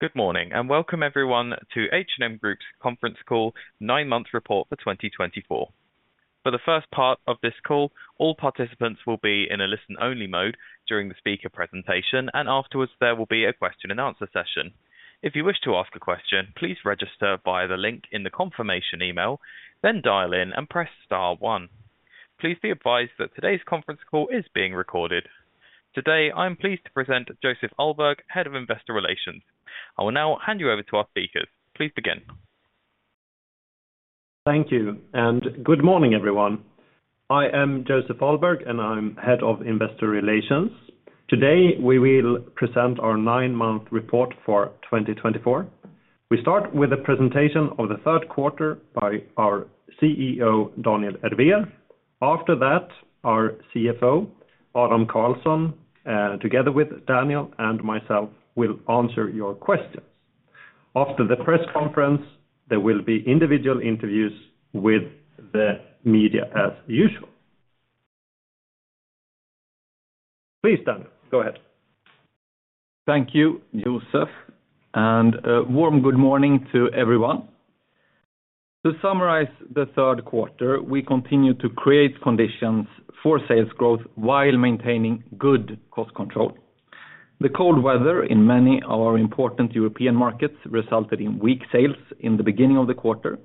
Good morning, and welcome everyone to H&M Group's conference call, nine-month report for 2024. For the first part of this call, all participants will be in a listen-only mode during the speaker presentation, and afterwards, there will be a question and answer session. If you wish to ask a question, please register via the link in the confirmation email, then dial in and press star one. Please be advised that today's conference call is being recorded. Today, I am pleased to present Joseph Ahlberg, Head of Investor Relations. I will now hand you over to our speakers. Please begin. Thank you, and good morning, everyone. I am Joseph Ahlberg, and I'm Head of Investor Relations. Today, we will present our nine-month report for 2024. We start with a presentation of the third quarter by our CEO, Daniel Ervér. After that, our CFO, Adam Karlsson, together with Daniel and myself, will answer your questions. After the press conference, there will be individual interviews with the media as usual. Please, Daniel, go ahead. Thank you, Joseph, and a warm good morning to everyone. To summarize the third quarter, we continued to create conditions for sales growth while maintaining good cost control. The cold weather in many of our important European markets resulted in weak sales in the beginning of the quarter.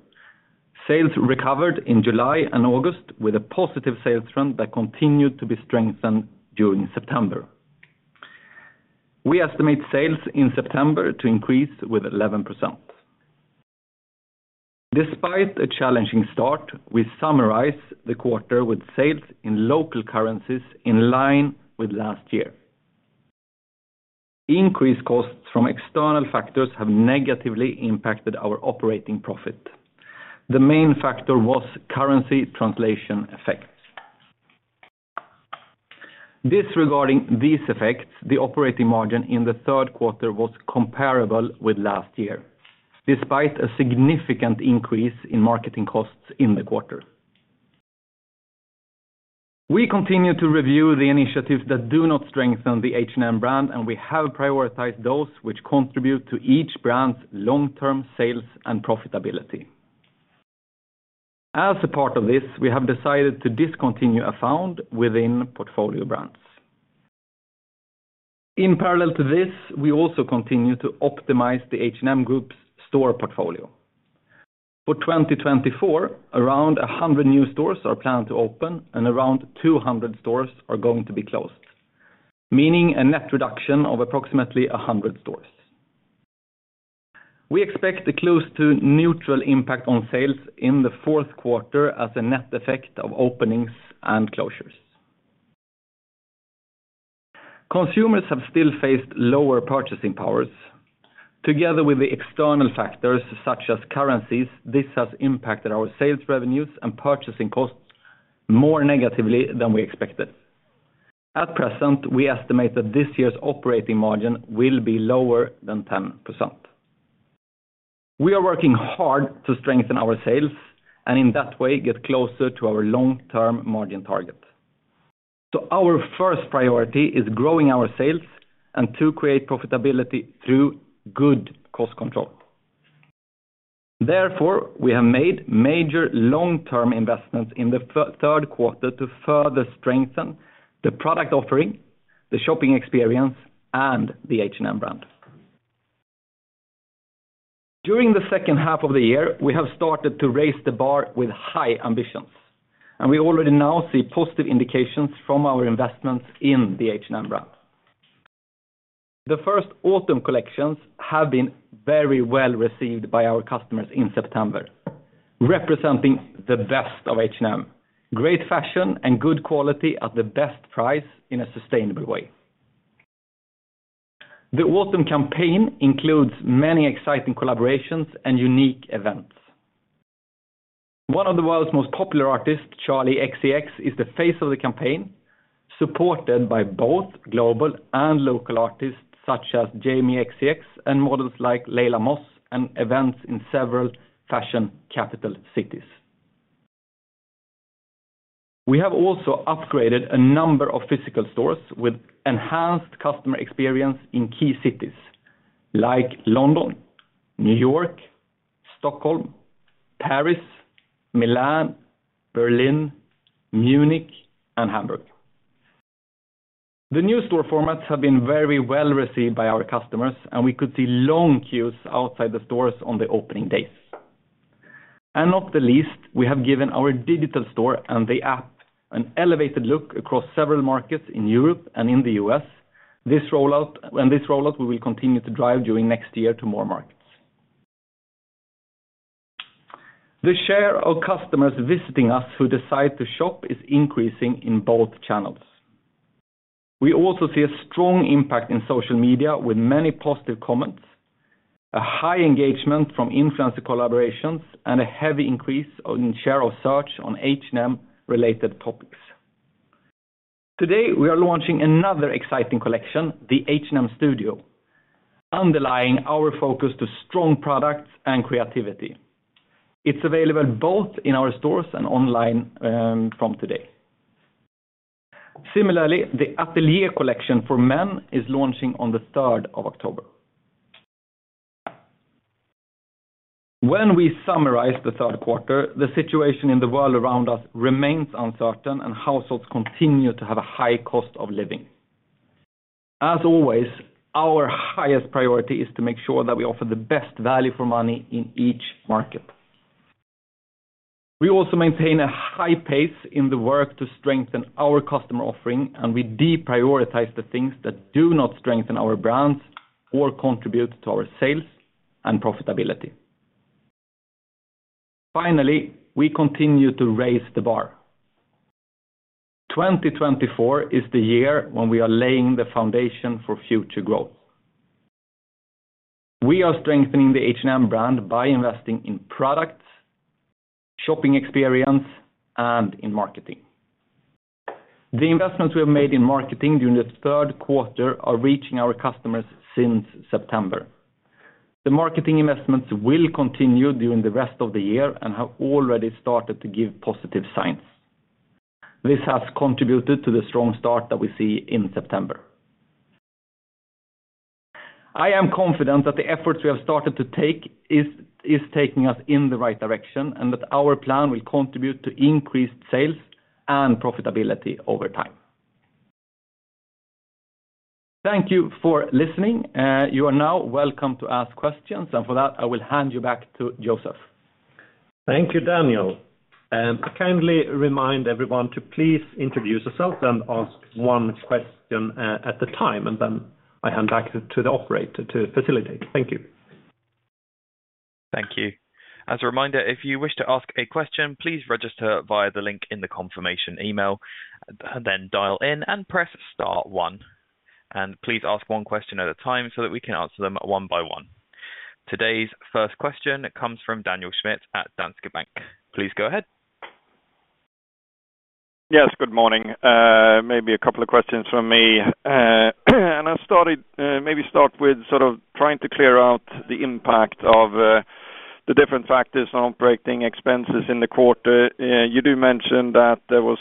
Sales recovered in July and August with a positive sales trend that continued to be strengthened during September. We estimate sales in September to increase with 11%. Despite a challenging start, we summarize the quarter with sales in local currencies in line with last year. Increased costs from external factors have negatively impacted our operating profit. The main factor was currency translation effects. Disregarding these effects, the operating margin in the third quarter was comparable with last year, despite a significant increase in marketing costs in the quarter. We continue to review the initiatives that do not strengthen the H&M brand, and we have prioritized those which contribute to each brand's long-term sales and profitability. As a part of this, we have decided to discontinue Afound within portfolio brands. In parallel to this, we also continue to optimize the H&M Group's store portfolio. For 2024, around 100 new stores are planned to open, and around 200 stores are going to be closed, meaning a net reduction of approximately 100 stores. We expect a close to neutral impact on sales in the fourth quarter as a net effect of openings and closures. Consumers have still faced lower purchasing powers. Together with the external factors, such as currencies, this has impacted our sales revenues and purchasing costs more negatively than we expected. At present, we estimate that this year's operating margin will be lower than 10%. We are working hard to strengthen our sales and in that way, get closer to our long-term margin target. So our first priority is growing our sales and to create profitability through good cost control. Therefore, we have made major long-term investments in the third quarter to further strengthen the product offering, the shopping experience, and the H&M brand. During the second half of the year, we have started to raise the bar with high ambitions, and we already now see positive indications from our investments in the H&M brand. The first autumn collections have been very well-received by our customers in September, representing the best of H&M: great fashion and good quality at the best price in a sustainable way. The autumn campaign includes many exciting collaborations and unique events. One of the world's most popular artists, Charli XCX, is the face of the campaign, supported by both global and local artists such as Jamie xx and models like Lila Moss, and events in several fashion capital cities. We have also upgraded a number of physical stores with enhanced customer experience in key cities like London, New York, Stockholm, Paris, Milan, Berlin, Munich, and Hamburg. The new store formats have been very well-received by our customers, and we could see long queues outside the stores on the opening days, and not the least, we have given our digital store and the app an elevated look across several markets in Europe and in the U.S. This rollout, we will continue to drive during next year to more markets. The share of customers visiting us who decide to shop is increasing in both channels. We also see a strong impact in social media with many positive comments, a high engagement from influencer collaborations, and a heavy increase in share of search on H&M related topics. Today, we are launching another exciting collection, the H&M Studio, underlying our focus to strong products and creativity. It's available both in our stores and online, from today. Similarly, the Atelier collection for men is launching on the third of October. When we summarize the third quarter, the situation in the world around us remains uncertain, and households continue to have a high cost of living. As always, our highest priority is to make sure that we offer the best value for money in each market. We also maintain a high pace in the work to strengthen our customer offering, and we deprioritize the things that do not strengthen our brands or contribute to our sales and profitability. Finally, we continue to raise the bar. 2024 is the year when we are laying the foundation for future growth. We are strengthening the H&M brand by investing in products, shopping experience, and in marketing. The investments we have made in marketing during the third quarter are reaching our customers since September. The marketing investments will continue during the rest of the year and have already started to give positive signs. This has contributed to the strong start that we see in September. I am confident that the efforts we have started to take is taking us in the right direction, and that our plan will contribute to increased sales and profitability over time. Thank you for listening. You are now welcome to ask questions, and for that, I will hand you back to Joseph. Thank you, Daniel. I kindly remind everyone to please introduce yourself, then ask one question, at the time, and then I hand back to the operator to facilitate. Thank you. Thank you. As a reminder, if you wish to ask a question, please register via the link in the confirmation email, and then dial in and press star one. And please ask one question at a time so that we can answer them one by one. Today's first question comes from Daniel Schmidt at Danske Bank. Please go ahead. Yes, good morning. Maybe a couple of questions from me, and I'll start it, maybe start with sort of trying to clear out the impact of the different factors on operating expenses in the quarter. You do mention that there was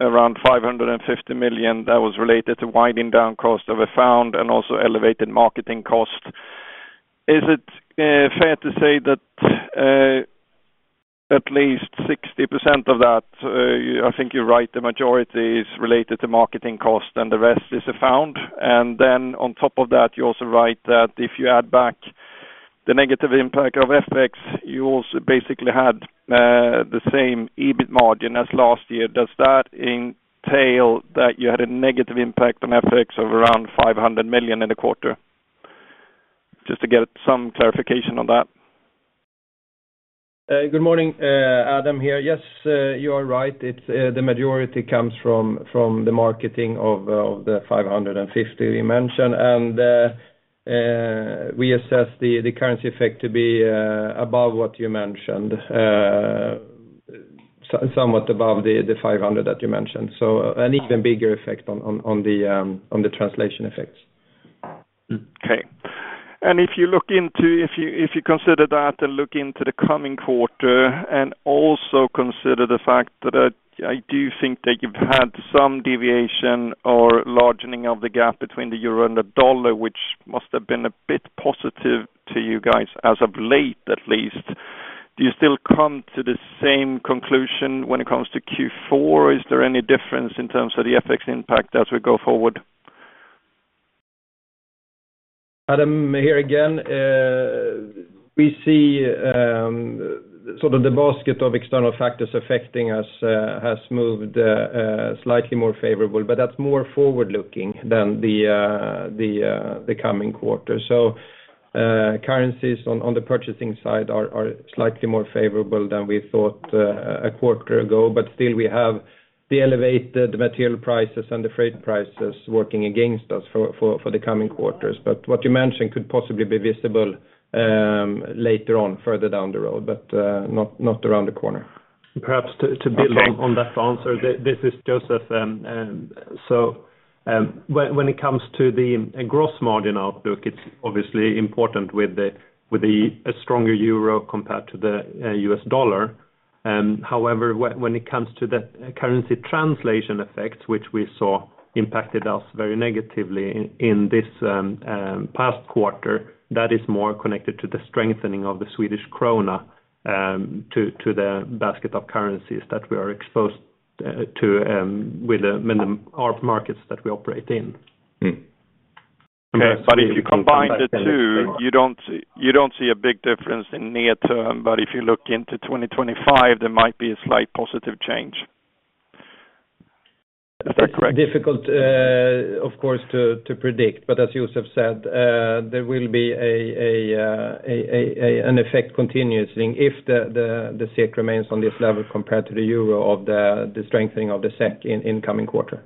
around 550 million that was related to winding down cost of Afound and also elevated marketing costs. Is it fair to say that at least 60% of that, I think you're right, the majority is related to marketing cost and the rest is Afound? And then on top of that, you also write that if you add back the negative impact of FX, you also basically had the same EBIT margin as last year. Does that entail that you had a negative impact on FX of around 500 million in the quarter? Just to get some clarification on that. Good morning. Adam here. Yes, you are right. It's the majority comes from the marketing of the 550 we mentioned. And we assess the currency effect to be above what you mentioned. So somewhat above the 500 that you mentioned. So an even bigger effect on the translation effects. Okay. And if you consider that and look into the coming quarter, and also consider the fact that I do think that you've had some deviation or widening of the gap between the euro and the dollar, which must have been a bit positive to you guys, as of late, at least. Do you still come to the same conclusion when it comes to Q4? Is there any difference in terms of the FX impact as we go forward? Adam, here again. We see sort of the basket of external factors affecting us has moved slightly more favorable, but that's more forward-looking than the coming quarter. Currencies on the purchasing side are slightly more favorable than we thought a quarter ago. But still, we have the elevated material prices and the freight prices working against us for the coming quarters. What you mentioned could possibly be visible later on, further down the road, but not around the corner. Perhaps to build on that answer. This is Joseph. And so, when it comes to the gross margin outlook, it's obviously important with a stronger euro compared to the U.S. dollar. However, when it comes to the currency translation effect, which we saw impacted us very negatively in this past quarter, that is more connected to the strengthening of the Swedish krona to the basket of currencies that we are exposed to with our markets that we operate in. Okay, but if you combine the two, you don't see a big difference in near term, but if you look into 2025, there might be a slight positive change. Is that correct? Difficult, of course, to predict, but as Joseph said, there will be an effect continuously if the SEK remains on this level compared to the euro from the strengthening of the SEK in coming quarter.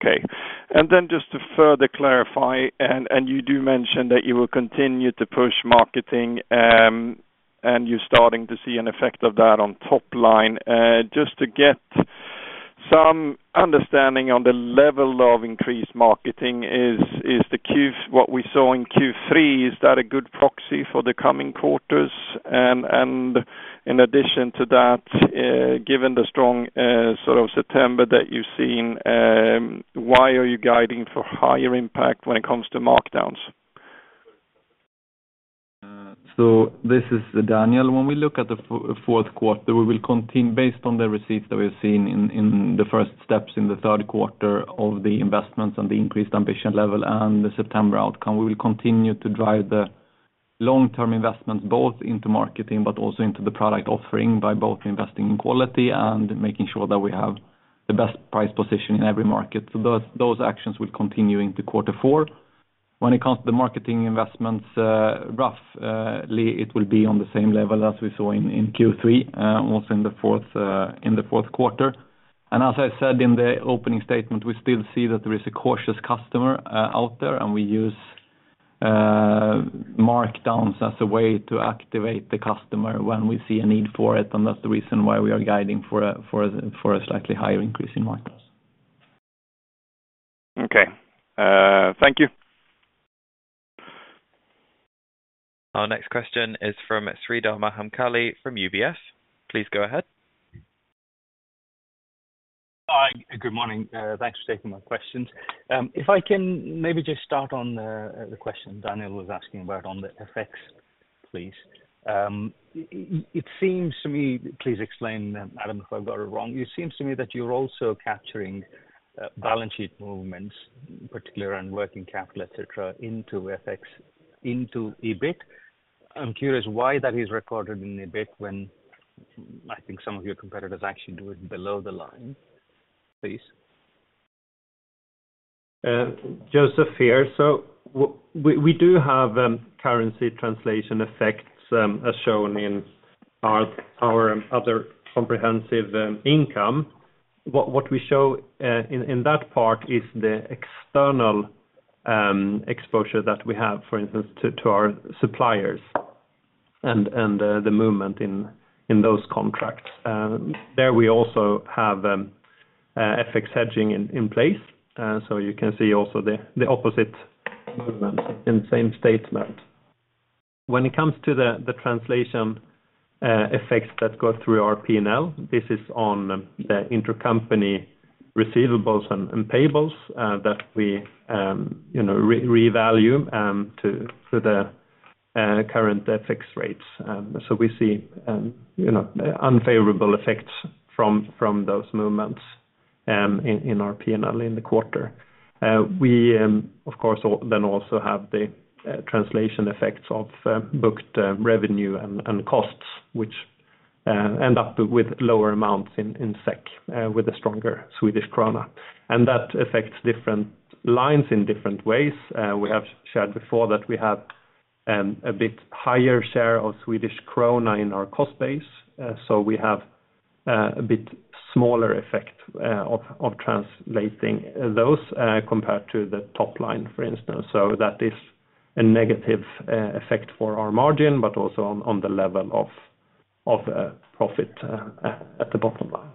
Okay. And then just to further clarify, and you do mention that you will continue to push marketing, and you're starting to see an effect of that on top line. Just to get some understanding on the level of increased marketing, is the Q3 what we saw in Q3, is that a good proxy for the coming quarters? And in addition to that, given the strong sort of September that you've seen, why are you guiding for higher impact when it comes to markdowns? So this is Daniel. When we look at the fourth quarter, we will continue based on the receipts that we've seen in the first steps in the third quarter of the investments and the increased ambition level and the September outcome. We will continue to drive the long-term investments, both into marketing but also into the product offering, by both investing in quality and making sure that we have the best price position in every market. So those actions will continue into quarter four. When it comes to the marketing investments, roughly, it will be on the same level as we saw in Q3, also in the fourth quarter. As I said in the opening statement, we still see that there is a cautious customer out there, and we use markdowns as a way to activate the customer when we see a need for it, and that's the reason why we are guiding for a slightly higher increase in markdowns. Okay. Thank you. Our next question is from Sridhar Mahankali from UBS. Please go ahead. Hi, good morning. Thanks for taking my questions. If I can maybe just start on the question Daniel was asking about on the effects, please. It seems to me. Please explain, Adam, if I've got it wrong. It seems to me that you're also capturing balance sheet movements, particular on working capital, et cetera, into FX, into EBIT. I'm curious why that is recorded in EBIT, when I think some of your competitors actually do it below the line, please. Joseph here. So we do have currency translation effects, as shown in our other comprehensive income. What we show in that part is the external exposure that we have, for instance, to our suppliers and the movement in those contracts. There we also have FX hedging in place. So you can see also the opposite movement in the same statement. When it comes to the translation effects that go through our P&L, this is on the intercompany receivables and payables that we you know revalue to the current FX rates. So we see you know unfavorable effects from those movements in our P&L in the quarter. We, of course, then also have the translation effects of booked revenue and costs, which end up with lower amounts in SEK with a stronger Swedish krona. And that affects different lines in different ways. We have shared before that we have a bit higher share of Swedish krona in our cost base. So we have a bit smaller effect of translating those compared to the top line, for instance. So that is a negative effect for our margin, but also on the level of profit at the bottom line.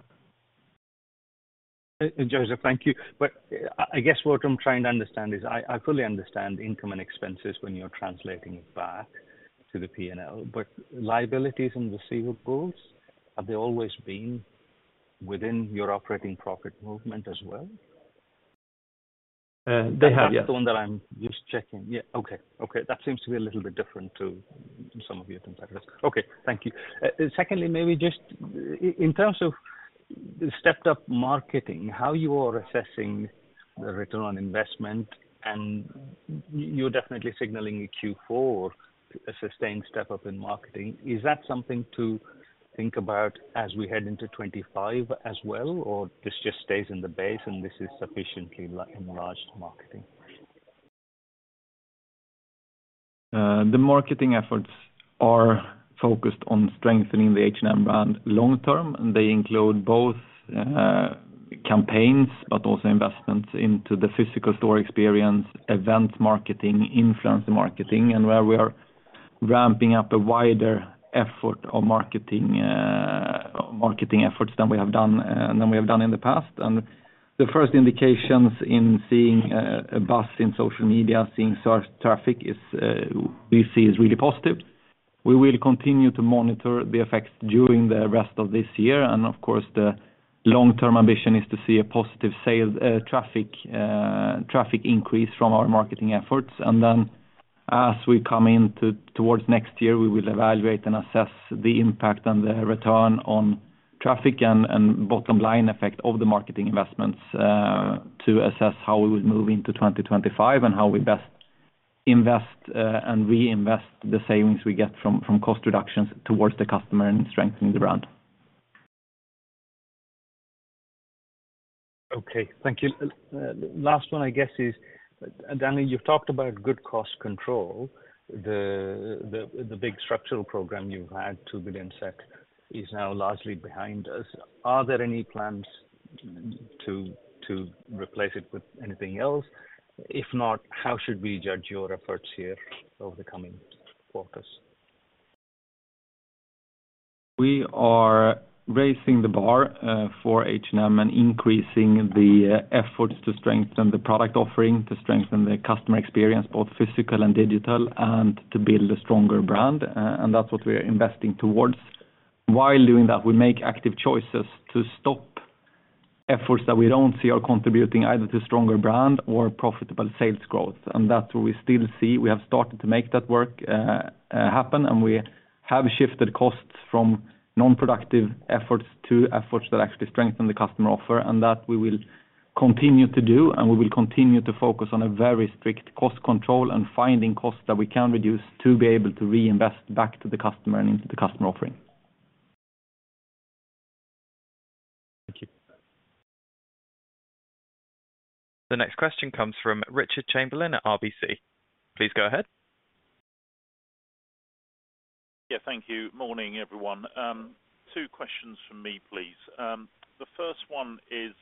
Joseph, thank you. But I guess what I'm trying to understand is, I fully understand income and expenses when you're translating it back to the P&L, but liabilities and receivables, have they always been within your operating profit movement as well? They have, yeah. That's the one that I'm just checking. Yeah. Okay, okay. That seems to be a little bit different to some of your competitors. Okay, thank you. Secondly, maybe just in terms of the stepped up marketing, how you are assessing the return on investment, and you're definitely signaling Q4, a sustained step up in marketing. Is that something to think about as we head into twenty-five as well, or this just stays in the base and this is sufficiently enlarged marketing? The marketing efforts are focused on strengthening the H&M brand long-term, and they include both campaigns but also investments into the physical store experience, event marketing, influencer marketing, and where we are ramping up a wider effort of marketing efforts than we have done in the past. The first indications in seeing a buzz in social media, seeing search traffic is, we see, really positive. We will continue to monitor the effects during the rest of this year, and of course, the long-term ambition is to see a positive sales traffic increase from our marketing efforts. And then, as we come into towards next year, we will evaluate and assess the impact and the return on traffic and bottom line effect of the marketing investments, to assess how we would move into 2025, and how we best invest, and reinvest the savings we get from cost reductions towards the customer and strengthening the brand. Okay, thank you. Last one, I guess, is, Daniel, you've talked about good cost control. The big structural program you've had, 2 billion SEK, is now largely behind us. Are there any plans to replace it with anything else? If not, how should we judge your efforts here over the coming quarters? We are raising the bar for H&M and increasing the efforts to strengthen the product offering, to strengthen the customer experience, both physical and digital, and to build a stronger brand, and that's what we are investing towards. While doing that, we make active choices to stop efforts that we don't see are contributing either to stronger brand or profitable sales growth, and that we still see we have started to make that work happen, and we have shifted costs from non-productive efforts to efforts that actually strengthen the customer offer, and that we will continue to do, and we will continue to focus on a very strict cost control and finding costs that we can reduce to be able to reinvest back to the customer and into the customer offering. Thank you. The next question comes from Richard Chamberlain at RBC. Please go ahead. Yeah, thank you. Morning, everyone. Two questions from me, please. The first one is,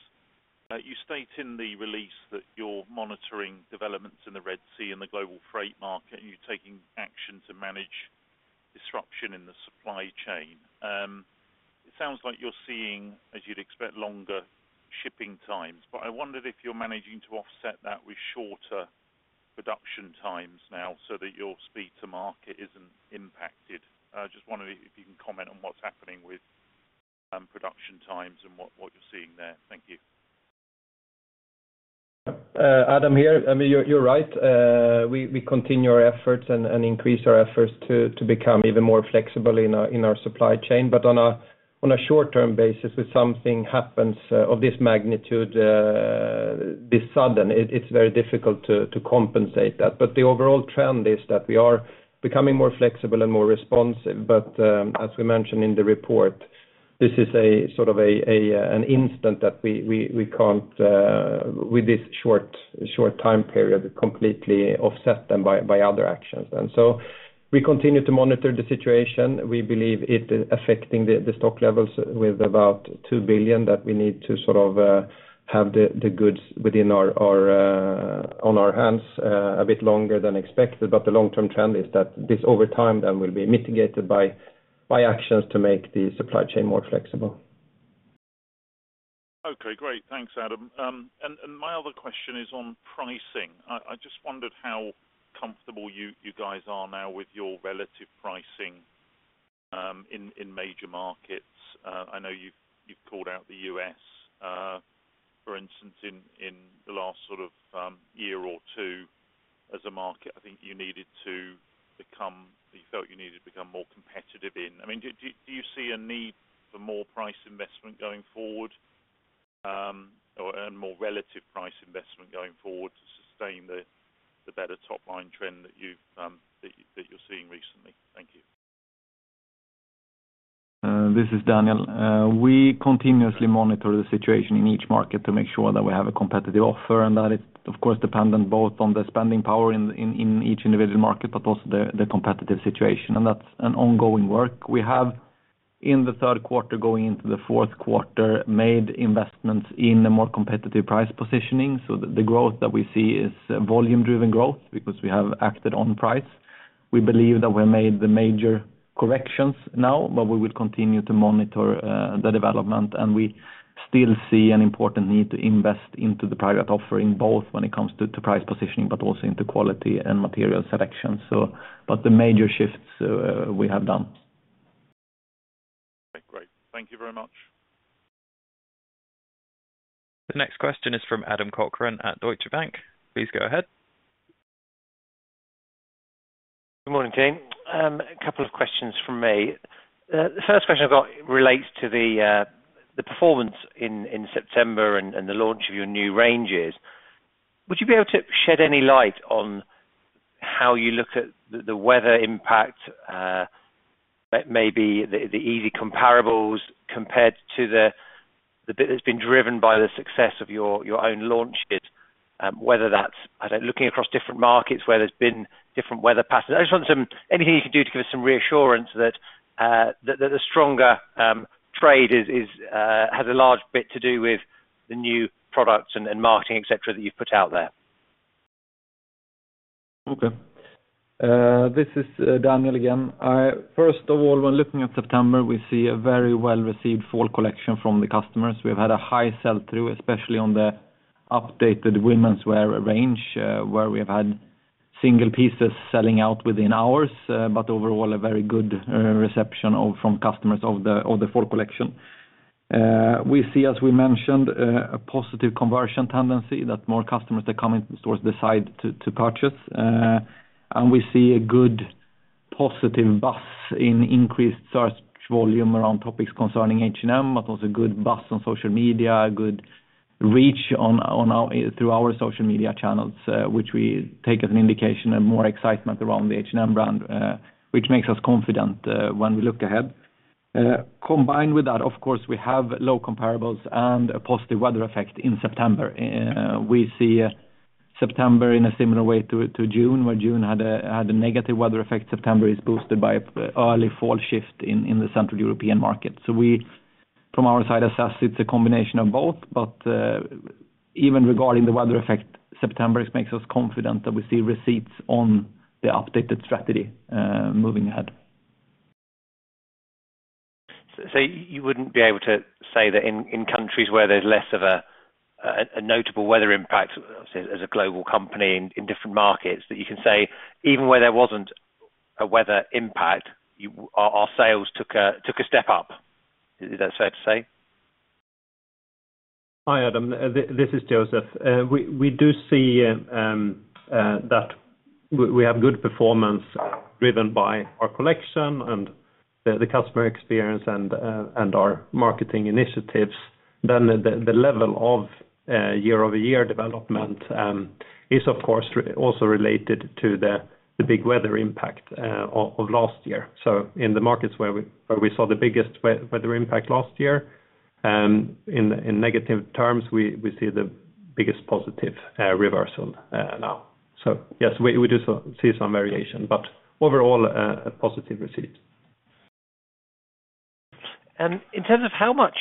you state in the release that you're monitoring developments in the Red Sea and the global freight market, and you're taking action to manage disruption in the supply chain. It sounds like you're seeing, as you'd expect, longer shipping times, but I wondered if you're managing to offset that with shorter production times now, so that your speed to market isn't impacted. I just wonder if you can comment on what's happening with production times and what you're seeing there. Thank you. Adam here. I mean, you're right. We continue our efforts and increase our efforts to become even more flexible in our supply chain. But on a short-term basis, if something happens of this magnitude, this sudden, it's very difficult to compensate that. But the overall trend is that we are becoming more flexible and more responsive. But as we mentioned in the report, this is a sort of a an instant that we can't with this short time period completely offset them by other actions. And so we continue to monitor the situation. We believe it affecting the stock levels with about 2 billion, that we need to sort of have the goods within our on our hands a bit longer than expected, but the long-term trend is that this over time that will be mitigated by actions to make the supply chain more flexible. Okay, great. Thanks, Adam. And my other question is on pricing. I just wondered how comfortable you guys are now with your relative pricing in major markets. I know you've called out the U.S., for instance, in the last sort of year or two as a market. I think you needed to become; you felt you needed to become more competitive in. I mean, do you see a need for more price investment going forward, or and more relative price investment going forward to sustain the better top line trend that you're seeing recently? Thank you. This is Daniel. We continuously monitor the situation in each market to make sure that we have a competitive offer, and that it's, of course, dependent both on the spending power in each individual market, but also the competitive situation, and that's an ongoing work. We have, in the third quarter, going into the fourth quarter, made investments in a more competitive price positioning. So the growth that we see is a volume-driven growth because we have acted on price. We believe that we made the major corrections now, but we will continue to monitor the development, and we still see an important need to invest into the private offering, both when it comes to price positioning, but also into quality and material selection. So, but the major shifts we have done. Okay, great. Thank you very much. The next question is from Adam Cochrane at Deutsche Bank. Please go ahead. Good morning, team. A couple of questions from me. The first question I've got relates to the performance in September and the launch of your new ranges. Would you be able to shed any light on how you look at the weather impact that may be the easy comparables compared to the bit that's been driven by the success of your own launches? Whether that's looking across different markets where there's been different weather patterns. I just want some, anything you can do to give us some reassurance that the stronger trade has a large bit to do with the new products and marketing, et cetera, that you've put out there. Okay. This is Daniel again. First of all, when looking at September, we see a very well-received fall collection from the customers. We've had a high sell-through, especially on the updated womenswear range, where we have had single pieces selling out within hours, but overall, a very good reception from customers of the fall collection. We see, as we mentioned, a positive conversion tendency that more customers that come into stores decide to purchase, and we see a good positive buzz in increased search volume around topics concerning H&M, but also a good buzz on social media, a good reach through our social media channels, which we take as an indication and more excitement around the H&M brand, which makes us confident when we look ahead. Combined with that, of course, we have low comparables and a positive weather effect in September. We see September in a similar way to June, where June had a negative weather effect. September is boosted by early fall shift in the Central European market. So we, from our side, assess it's a combination of both, but even regarding the weather effect, September, it makes us confident that we see receipts on the updated strategy moving ahead. So you wouldn't be able to say that in countries where there's less of a notable weather impact as a global company in different markets, that you can say, even where there wasn't a weather impact, our sales took a step up. Is that fair to say? Hi, Adam. This is Joseph. We do see that we have good performance driven by our collection and the customer experience and our marketing initiatives. Then the level of year-over-year development is of course also related to the big weather impact of last year. So in the markets where we saw the biggest weather impact last year in negative terms we see the biggest positive reversal now. So yes, we do see some variation, but overall a positive receipt. In terms of how much,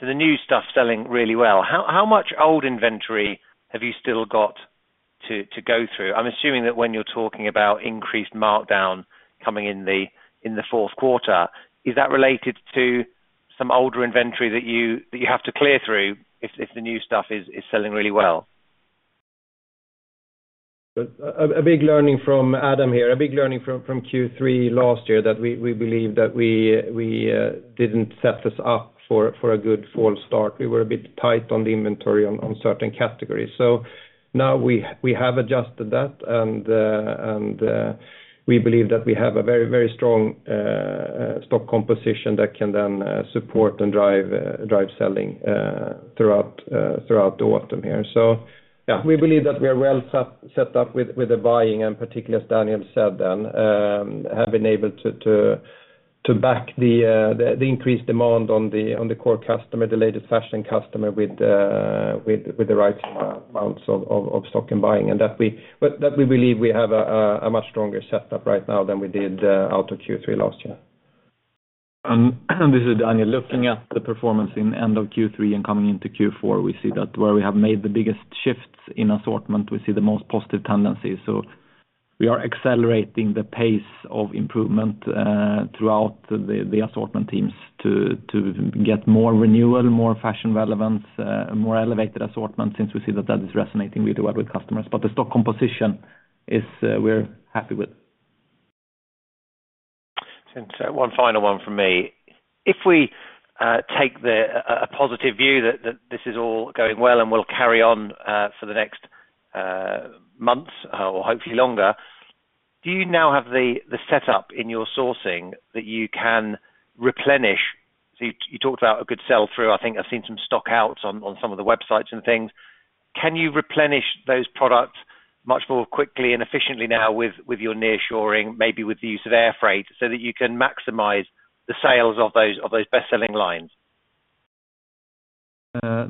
so the new stuff is selling really well, how much old inventory have you still got to go through? I'm assuming that when you're talking about increased markdown coming in the fourth quarter, is that related to some older inventory that you have to clear through if the new stuff is selling really well? A big learning from Adam here, a big learning from Q3 last year, that we believe that we didn't set this up for a good fall start. We were a bit tight on the inventory on certain categories. So now we have adjusted that, and we believe that we have a very, very strong stock composition that can then support and drive selling throughout the autumn here. Yeah, we believe that we are well set up with the buying, and particularly as Daniel said, have been able to back the increased demand on the core customer, the latest fashion customer with the right amounts of stock and buying, and that we believe we have a much stronger set up right now than we did out of Q3 last year. This is Daniel. Looking at the performance in end of Q3 and coming into Q4, we see that where we have made the biggest shifts in assortment, we see the most positive tendencies. So we are accelerating the pace of improvement throughout the assortment teams to get more renewal, more fashion relevance, more elevated assortment, since we see that that is resonating really well with customers. But the stock composition is. We're happy with. And, one final one from me. If we take a positive view that this is all going well and will carry on for the next months, or hopefully longer, do you now have the setup in your sourcing that you can replenish? So you talked about a good sell-through. I think I've seen some stock out on some of the websites and things. Can you replenish those products much more quickly and efficiently now with your nearshoring, maybe with the use of air freight, so that you can maximize the sales of those best-selling lines?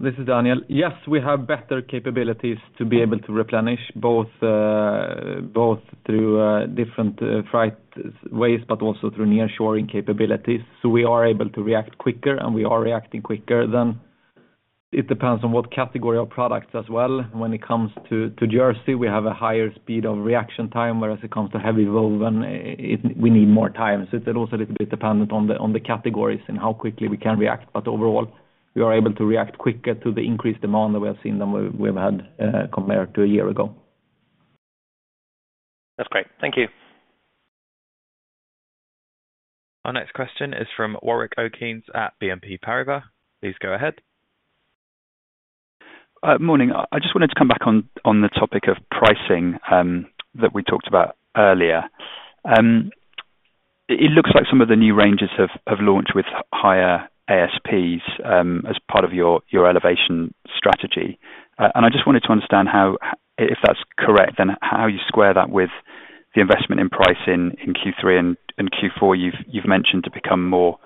This is Daniel. Yes, we have better capabilities to be able to replenish both through different freight ways, but also through nearshoring capabilities. So we are able to react quicker, and we are reacting quicker than... It depends on what category of products as well. When it comes to jersey, we have a higher speed of reaction time, whereas it comes to heavy woven, we need more time. So it's also a little bit dependent on the categories and how quickly we can react, but overall, we are able to react quicker to the increased demand that we have seen than we've had compared to a year ago. That's great. Thank you. Our next question is from Warrick Oakes at BNP Paribas. Please go ahead. Morning. I just wanted to come back on the topic of pricing that we talked about earlier. It looks like some of the new ranges have launched with higher ASPs as part of your elevation strategy. I just wanted to understand how, if that's correct, then how you square that with the investment in pricing in Q3 and Q4. You've mentioned to become more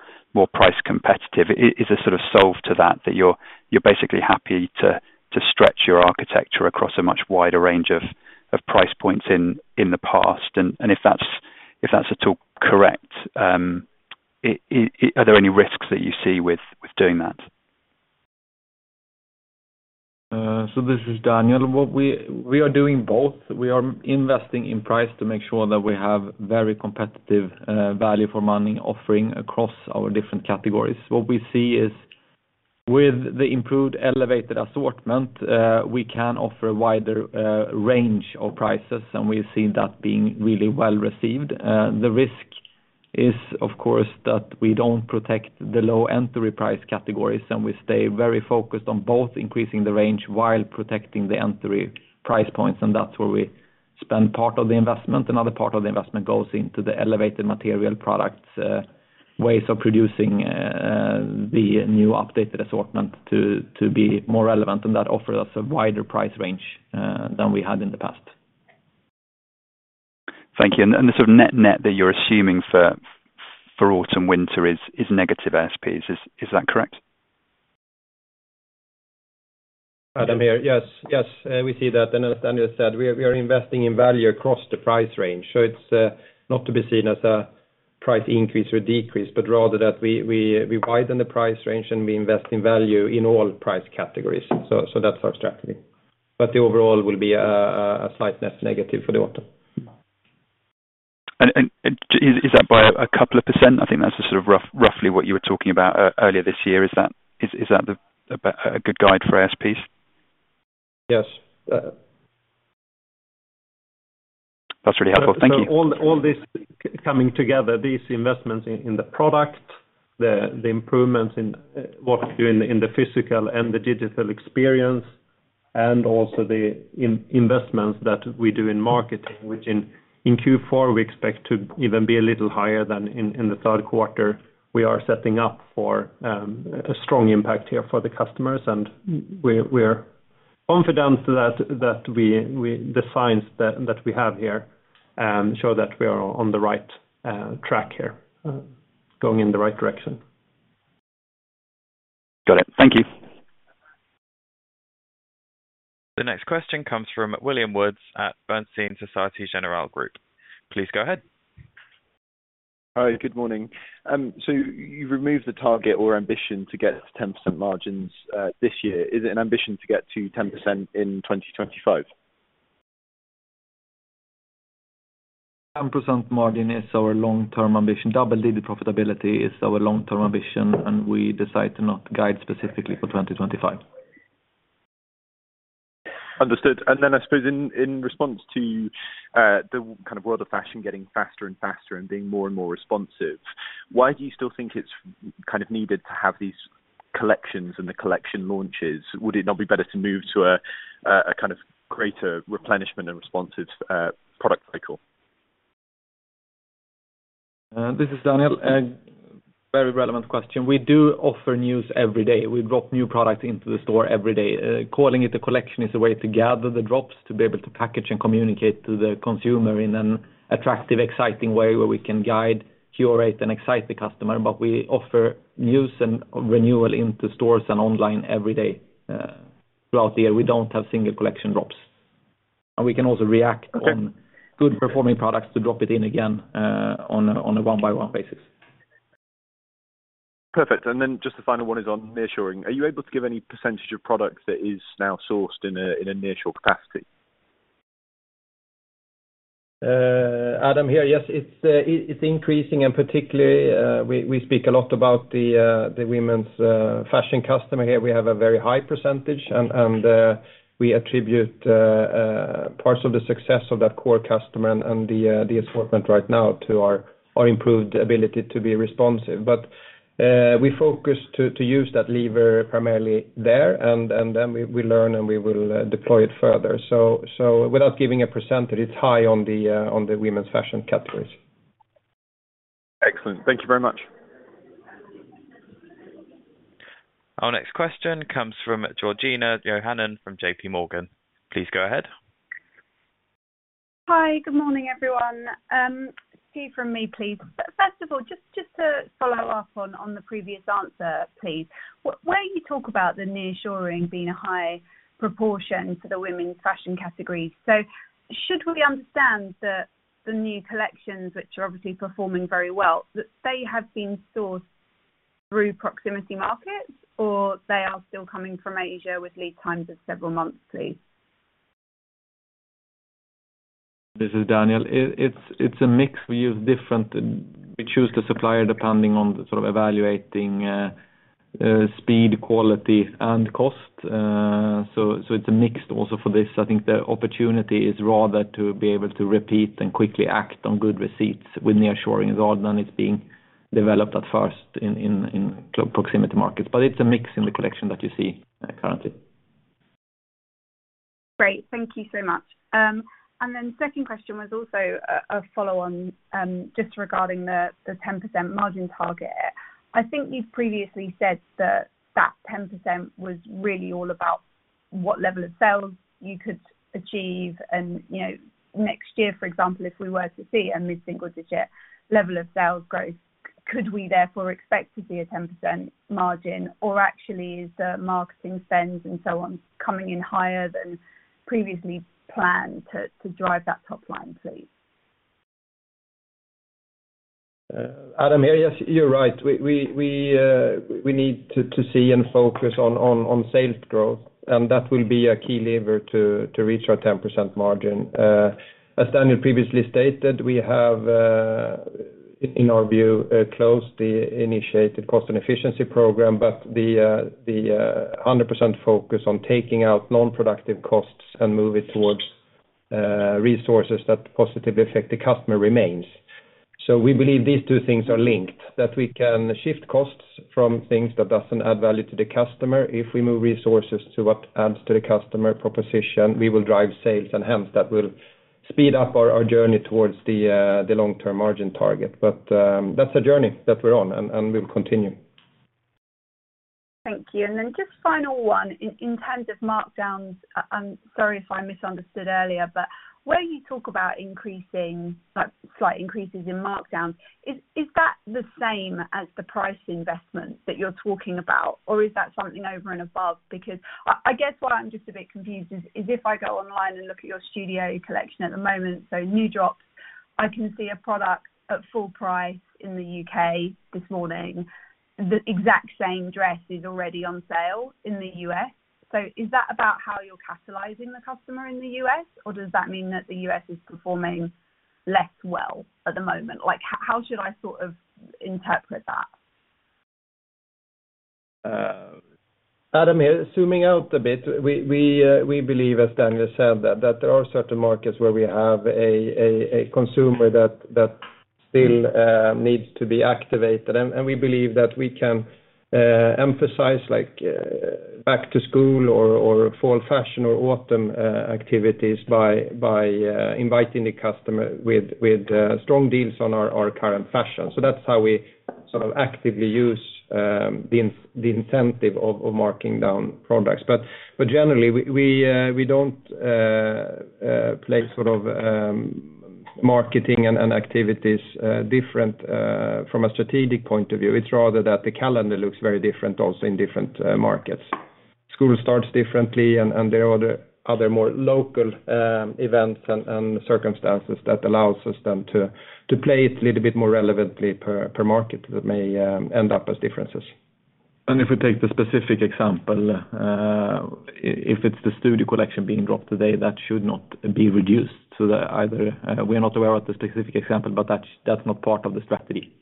price competitive. Is there a sort of solve to that that you're basically happy to stretch your assortment across a much wider range of price points in the past? If that's at all correct, are there any risks that you see with doing that? So this is Daniel. What we are doing both. We are investing in price to make sure that we have very competitive value for money offering across our different categories. What we see is with the improved elevated assortment we can offer a wider range of prices, and we see that being really well received. The risk is, of course, that we don't protect the low entry price categories, and we stay very focused on both increasing the range while protecting the entry price points, and that's where we spend part of the investment. Another part of the investment goes into the elevated material products, ways of producing the new updated assortment to be more relevant, and that offers us a wider price range than we had in the past. Thank you. And the sort of net-net that you're assuming for autumn/winter is negative ASPs. Is that correct? Adam here. Yes, yes, we see that, and as Daniel said, we are investing in value across the price range. So it's not to be seen as a price increase or decrease, but rather that we widen the price range and we invest in value in all price categories. So that's our strategy. But the overall will be a slight net negative for the autumn. Is that by a couple of percent? I think that's just sort of roughly what you were talking about earlier this year. Is that a good guide for ASPs? Yes. That's really helpful. Thank you. So all this coming together, these investments in the product, the improvements in what we do in the physical and the digital experience, and also the investments that we do in marketing, which in Q4 we expect to even be a little higher than in the third quarter. We are setting up for a strong impact here for the customers, and we're confident that the signs that we have here show that we are on the right track here, going in the right direction. Got it. Thank you. The next question comes from William Woods at Bernstein Société Générale Group. Please go ahead. Hi, good morning. So you've removed the target or ambition to get to 10% margins this year. Is it an ambition to get to 10% in 2025? 10% margin is our long-term ambition. Double-digit profitability is our long-term ambition, and we decide to not guide specifically for 2025. Understood. And then I suppose in response to the kind of world of fashion getting faster and faster and being more and more responsive, why do you still think it's kind of needed to have these collections and the collection launches? Would it not be better to move to a kind of greater replenishment and responsive product cycle? This is Daniel, and very relevant question. We do offer news every day. We drop new products into the store every day. Calling it a collection is a way to gather the drops, to be able to package and communicate to the consumer in an attractive, exciting way, where we can guide, curate, and excite the customer. But we offer news and renewal into stores and online every day, throughout the year. We don't have single collection drops. And we can also react- Okay. On good performing products to drop it in again, on a one-by-one basis. Perfect. And then just the final one is on nearshoring. Are you able to give any percentage of products that is now sourced in a nearshore capacity? Adam here. Yes, it's increasing and particularly, we speak a lot about the women's fashion customer. Here we have a very high percentage, and we attribute parts of the success of that core customer and the assortment right now to our improved ability to be responsive. But we focus to use that lever primarily there, and then we learn, and we will deploy it further. So without giving a percentage, it's high on the women's fashion categories. Excellent. Thank you very much. Our next question comes from Georgina Johanan from JP Morgan. Please go ahead. Hi, good morning, everyone. Steve, from me, please. First of all, just to follow up on the previous answer, please. Where you talk about the nearshoring being a high proportion to the women's fashion category, so should we understand that the new collections, which are obviously performing very well, that they have been sourced through proximity markets, or they are still coming from Asia with lead times of several months, please? This is Daniel. It's a mix. We use different. We choose the supplier depending on the sort of evaluating speed, quality, and cost. So it's a mix also for this. I think the opportunity is rather to be able to repeat and quickly act on good receipts with nearshoring rather than it's being developed at first in close proximity markets, but it's a mix in the collection that you see currently. Great. Thank you so much. And then second question was also a follow-on, just regarding the 10% margin target. I think you've previously said that 10% was really all about what level of sales you could achieve and, you know, next year, for example, if we were to see a mid-single digit level of sales growth, could we therefore expect to see a 10% margin, or actually is the marketing spends and so on, coming in higher than previously planned to drive that top line, please? Adam here. Yes, you're right. We need to see and focus on sales growth, and that will be a key lever to reach our 10% margin. As Daniel previously stated, we have, in our view, closed the initiated cost and efficiency program, but the 100% focus on taking out non-productive costs and move it towards resources that positively affect the customer remains. So we believe these two things are linked, that we can shift costs from things that doesn't add value to the customer. If we move resources to what adds to the customer proposition, we will drive sales, and hence, that will speed up our journey towards the long-term margin target. But that's a journey that we're on, and we'll continue. Thank you. And then just final one: in terms of markdowns, I'm sorry if I misunderstood earlier, but when you talk about increasing, like, slight increases in markdown, is that the same as the price investment that you're talking about, or is that something over and above? Because I guess where I'm just a bit confused is if I go online and look at your Studio Collection at the moment, so new drops, I can see a product at full price in the U.K. this morning. The exact same dress is already on sale in the U.S. So is that about how you're catalyzing the customer in the U.S., or does that mean that the U.S. is performing less well at the moment? Like, how should I sort of interpret that? Adam here, zooming out a bit, we believe, as Daniel said, that there are certain markets where we have a consumer that still needs to be activated. We believe that we can emphasize, like, back to school or fall fashion or autumn activities by inviting the customer with strong deals on our current fashion, so that's how we sort of actively use the incentive of marking down products, but generally we don't play sort of marketing and activities different from a strategic point of view. It's rather that the calendar looks very different also in different markets. School starts differently, and there are other more local events and circumstances that allows us then to play it a little bit more relevantly per market that may end up as differences. If we take the specific example, if it's the Studio Collection being dropped today, that should not be reduced to the either. We are not aware of the specific example, but that's not part of the strategy.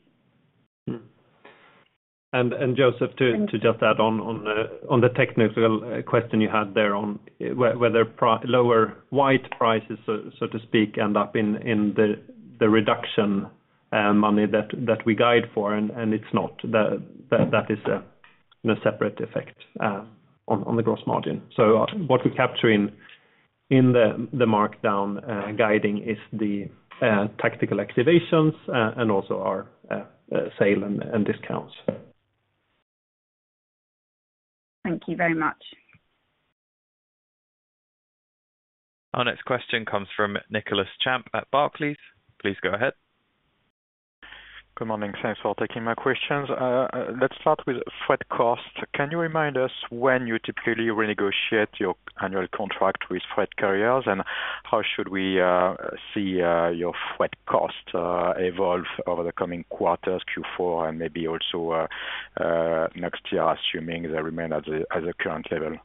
Mm-hmm. Joseph, to just add on the technical question you had there on whether lower wholesale prices, so to speak, end up in the reduction money that we guide for, and it's not. That is a separate effect on the gross margin. So what we capture in the markdown guiding is the tactical activations and also our sale and discounts. Thank you very much. Our next question comes from Nicolas Champ at Barclays. Please go ahead. Good morning. Thanks for taking my questions. Let's start with freight costs. Can you remind us when you typically renegotiate your annual contract with freight carriers? And how should we see your freight costs evolve over the coming quarters, Q4 and maybe also next year, assuming they remain at the current level?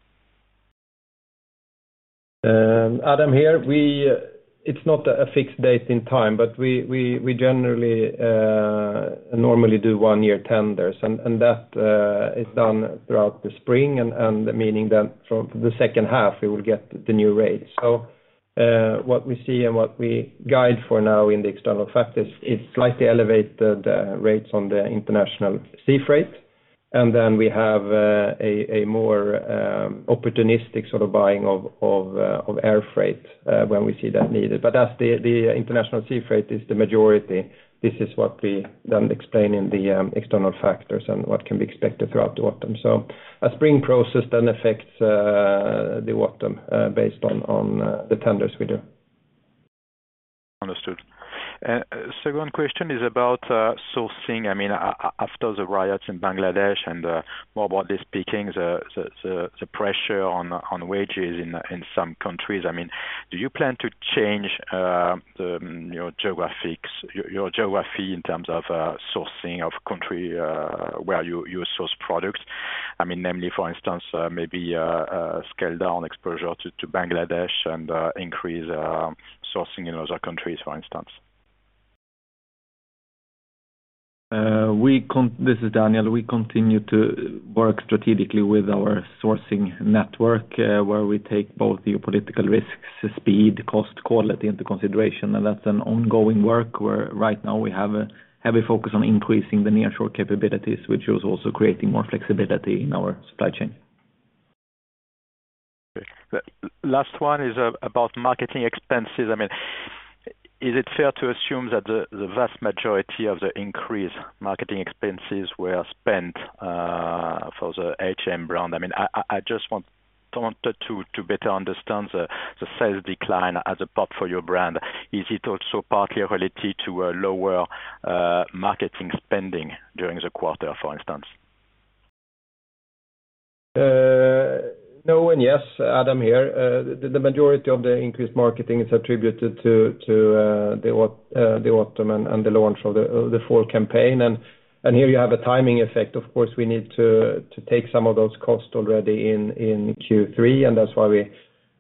Adam here. It's not a fixed date in time, but we generally normally do one-year tenders. That is done throughout the spring, meaning that from the second half, we will get the new rates. What we see and what we guide for now in the external factors is slightly elevate the rates on the international sea freight. Then we have a more opportunistic sort of buying of air freight when we see that needed. As the international sea freight is the majority, this is what we then explain in the external factors and what can be expected throughout the autumn. A spring process then affects the autumn based on the tenders we do. Understood. Second question is about sourcing. I mean, after the riots in Bangladesh and, more broadly speaking, the pressure on wages in some countries, I mean, do you plan to change the, you know, geographics, your geography in terms of sourcing of country where you source products? I mean, namely, for instance, maybe scale down exposure to Bangladesh and increase sourcing in other countries, for instance. This is Daniel. We continue to work strategically with our sourcing network, where we take both geopolitical risks, speed, cost, quality into consideration. That's an ongoing work, where right now we have a heavy focus on increasing the nearshore capabilities, which is also creating more flexibility in our supply chain. Great. Last one is about marketing expenses. I mean, is it fair to assume that the vast majority of the increased marketing expenses were spent for the H&M brand? I mean, I just wanted to better understand the sales decline as a part for your brand. Is it also partly related to a lower marketing spending during the quarter, for instance? No and yes. Adam here. The majority of the increased marketing is attributed to the autumn and the launch of the fall campaign, and here you have a timing effect. Of course, we need to take some of those costs already in Q3, and that's why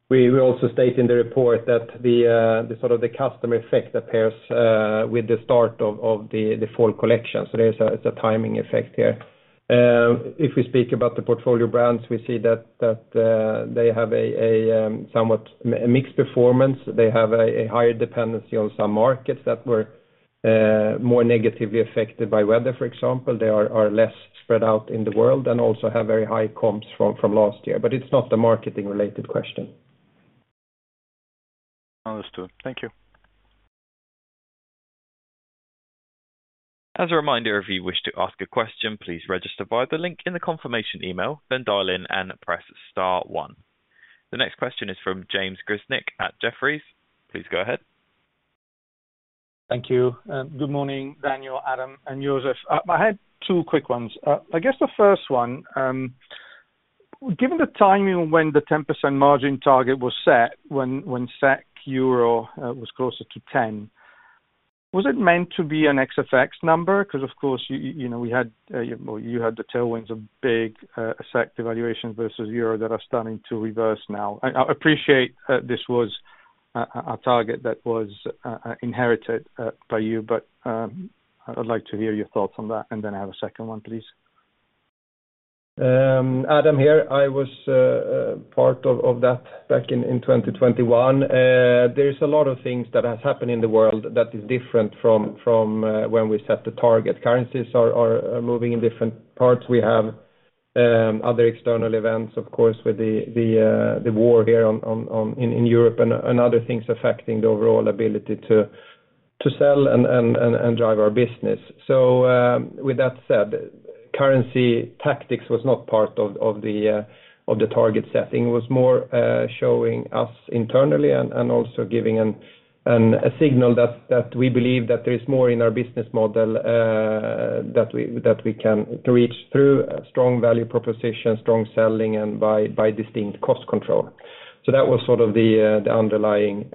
we also state in the report that the sort of the customer effect appears with the start of the fall collection. So it's a timing effect here. If we speak about the portfolio brands, we see that they have a somewhat mixed performance. They have a higher dependency on some markets that were more negatively affected by weather, for example. They are less spread out in the world and also have very high comps from last year, but it's not a marketing-related question. Understood. Thank you. As a reminder, if you wish to ask a question, please register via the link in the confirmation email, then dial in and press star one. The next question is from James Grzinic at Jefferies. Please go ahead. Thank you, and good morning, Daniel, Adam, and Joseph. I had two quick ones. I guess the first one, given the timing when the 10% margin target was set, when SEK Euro was closer to ten, was it meant to be an FX number? Because, of course, you know, we had well, you had the tailwinds of big SEK devaluation versus Euro that are starting to reverse now. I appreciate this was a target that was inherited by you, but I'd like to hear your thoughts on that, and then I have a second one, please. Adam, here, I was part of that back in twenty twenty-one. There's a lot of things that has happened in the world that is different from when we set the target. Currencies are moving in different parts. We have other external events, of course, with the war here in Europe, and other things affecting the overall ability to sell and drive our business. So, with that said, currency tactics was not part of the target setting. It was more showing us internally and also giving a signal that we believe that there is more in our business model that we can reach through a strong value proposition, strong selling, and by distinct cost control. So that was sort of the underlying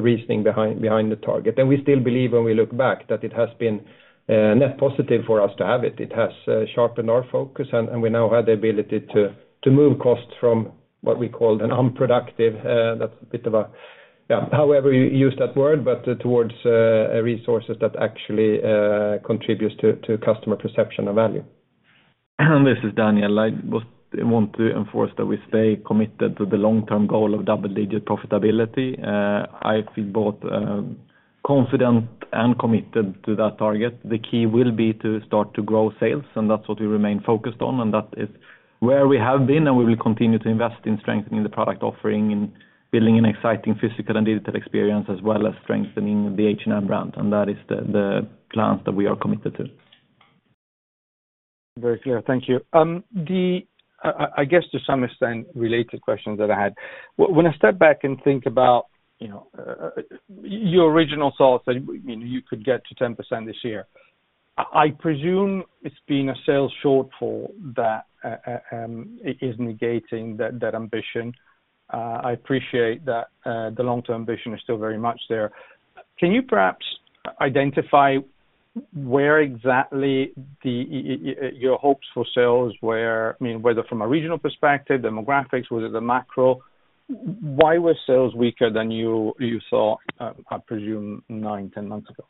reasoning behind the target. And we still believe when we look back that it has been net positive for us to have it. It has sharpened our focus, and we now have the ability to move costs from what we called an unproductive, that's a bit of a-- yeah, however you use that word, but towards resources that actually contributes to customer perception and value. This is Daniel. I just want to enforce that we stay committed to the long-term goal of double-digit profitability. I feel both confident and committed to that target. The key will be to start to grow sales, and that's what we remain focused on, and that is where we have been, and we will continue to invest in strengthening the product offering and building an exciting physical and digital experience, as well as strengthening the H&M brand, and that is the plans that we are committed to. Very clear. Thank you. I guess to some extent, related questions that I had. When I step back and think about, you know, your original thoughts that you could get to 10% this year, I presume it's been a sales shortfall that it is negating that ambition. I appreciate that the long-term ambition is still very much there. Can you perhaps identify where exactly your hopes for sales were? I mean, whether from a regional perspective, demographics, was it the macro? Why were sales weaker than you saw, I presume, nine, 10 months ago?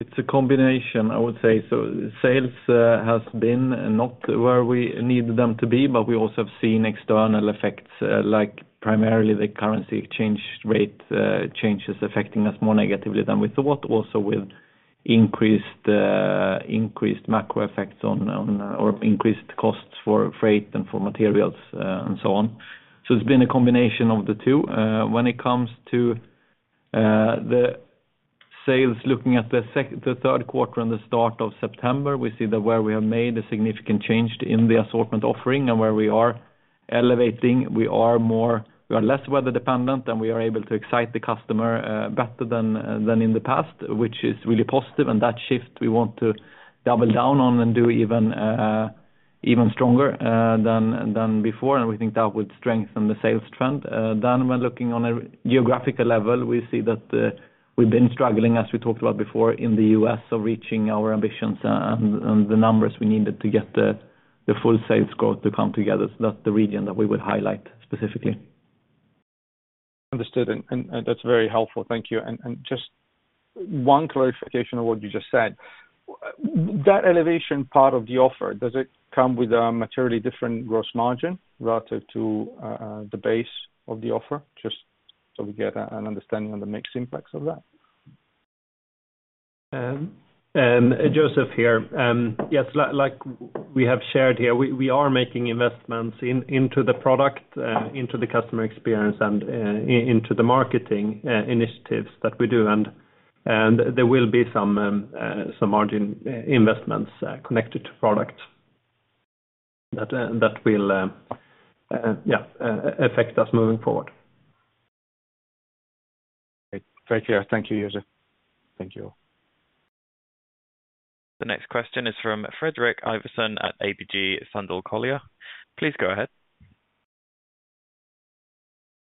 It's a combination, I would say, so sales has been not where we need them to be, but we also have seen external effects, like primarily the currency exchange rate changes affecting us more negatively than we thought. Also, with increased macro effects, or increased costs for freight and for materials, and so on. So it's been a combination of the two. When it comes to the sales, looking at the third quarter and the start of September, we see that where we have made a significant change in the assortment offering and where we are elevating, we are more. We are less weather dependent, and we are able to excite the customer better than in the past, which is really positive. That shift, we want to double down on and do even stronger than before. We think that would strengthen the sales trend. When looking on a geographical level, we see that we've been struggling, as we talked about before, in the U.S., so reaching our ambitions and the numbers we needed to get the full sales growth to come together. That's the region that we would highlight specifically. Understood. And that's very helpful. Thank you. And just one clarification on what you just said. That elevation part of the offer, does it come with a materially different gross margin relative to the base of the offer? Just so we get an understanding of the mixed impacts of that. Joseph here. Yes, like we have shared here, we are making investments into the product, into the customer experience, and into the marketing initiatives that we do. There will be some margin investments connected to product that will affect us moving forward. Great, clear. Thank you, Joseph. Thank you. The next question is from Fredrik Ivarsson at ABG Sundal Collier. Please go ahead.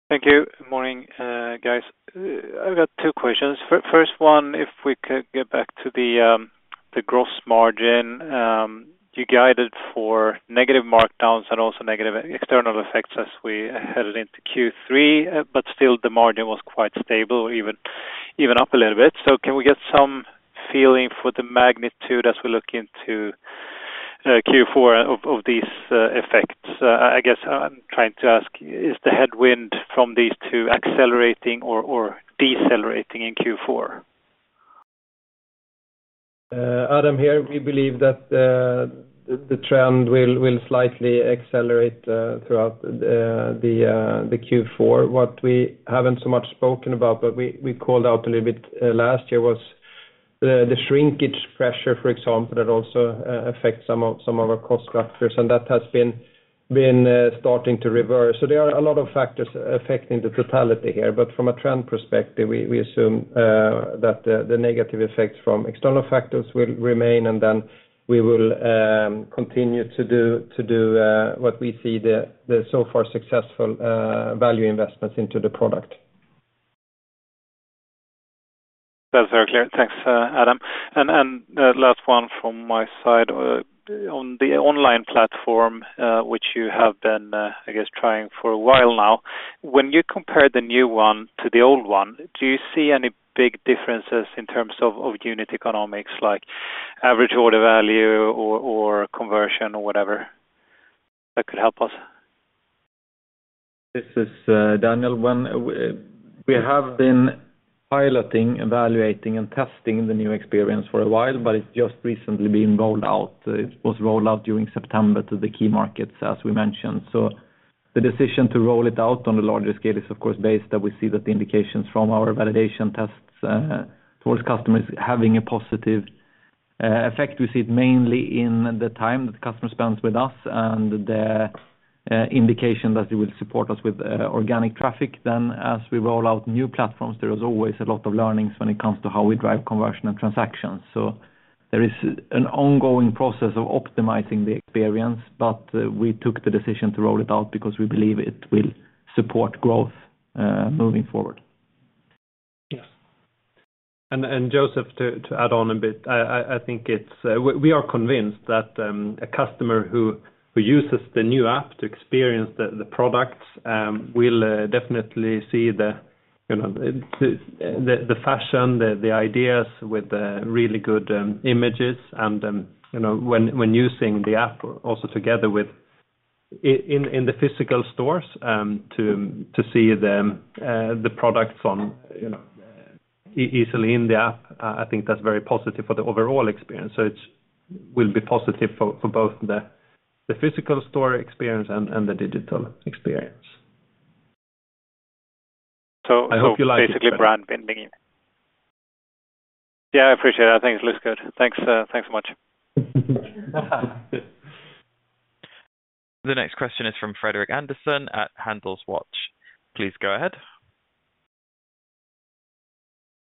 Thank you. Morning, guys. I've got two questions. First one, if we could get back to the, the gross margin. You guided for negative markdowns and also negative external effects as we headed into Q3, but still the margin was quite stable, even, even up a little bit. So can we get some feeling for the magnitude as we look into Q4 of these effects? I guess I'm trying to ask, is the headwind from these two accelerating or decelerating in Q4? Adam here. We believe that the trend will slightly accelerate throughout the Q4. What we haven't so much spoken about, but we called out a little bit last year, was the shrinkage pressure, for example, that also affects some of our cost structures, and that has been starting to reverse. So there are a lot of factors affecting the totality here. But from a trend perspective, we assume that the negative effects from external factors will remain, and then we will continue to do what we see the so far successful value investments into the product. ... That's very clear. Thanks, Adam. And the last one from my side, on the online platform, which you have been, I guess, trying for a while now, when you compare the new one to the old one, do you see any big differences in terms of unit economics, like average order value or conversion or whatever that could help us? This is, Daniel. When we have been piloting, evaluating, and testing the new experience for a while, but it's just recently been rolled out. It was rolled out during September to the key markets, as we mentioned. So the decision to roll it out on a larger scale is, of course, based that we see that the indications from our validation tests towards customers having a positive effect. We see it mainly in the time that the customer spends with us and the indication that it will support us with organic traffic. Then, as we roll out new platforms, there is always a lot of learnings when it comes to how we drive conversion and transactions. So there is an ongoing process of optimizing the experience, but, we took the decision to roll it out because we believe it will support growth, moving forward. Yes. Joseph, to add on a bit, I think it is. We are convinced that a customer who uses the new app to experience the products will definitely see the, you know, the fashion, the ideas with the really good images and, you know, when using the app also together with in the physical stores to see the products, you know, easily in the app. I think that's very positive for the overall experience. So it will be positive for both the physical store experience and the digital experience. I hope you like it. Basically brand blending in. Yeah, I appreciate it. I think it looks good. Thanks, thanks so much. The next question is from Fredrik Andersson at Handelsbanken. Please go ahead.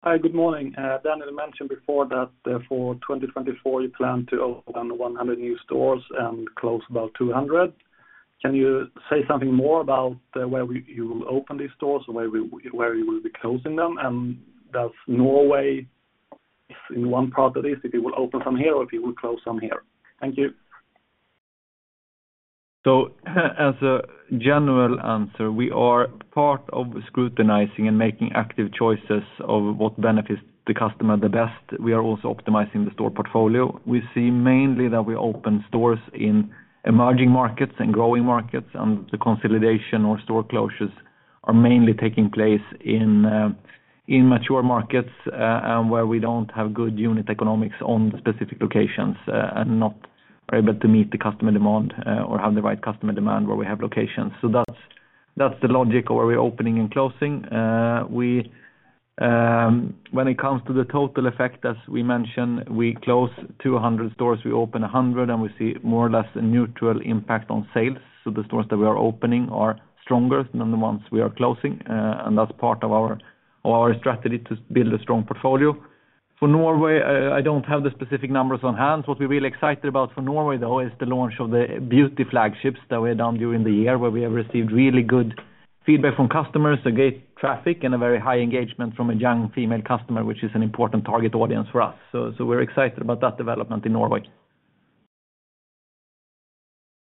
Hi, good morning. Daniel mentioned before that, for 2024, you plan to open 100 new stores and close about 200. Can you say something more about where you will open these stores and where you will be closing them? And does Norway fit in one part of this, if you will open some here, or if you will close some here? Thank you. So as a general answer, we are part of scrutinizing and making active choices of what benefits the customer the best. We are also optimizing the store portfolio. We see mainly that we open stores in emerging markets and growing markets, and the consolidation or store closures are mainly taking place in mature markets, and where we don't have good unit economics on the specific locations, and not are able to meet the customer demand, or have the right customer demand where we have locations. So that's the logic of where we're opening and closing. We, when it comes to the total effect, as we mentioned, we close 200 stores, we open 100, and we see more or less a neutral impact on sales. So the stores that we are opening are stronger than the ones we are closing, and that's part of our strategy to build a strong portfolio. For Norway, I don't have the specific numbers on hand. What we're really excited about for Norway, though, is the launch of the beauty flagships that we've done during the year, where we have received really good feedback from customers, a great traffic, and a very high engagement from a young female customer, which is an important target audience for us. So we're excited about that development in Norway.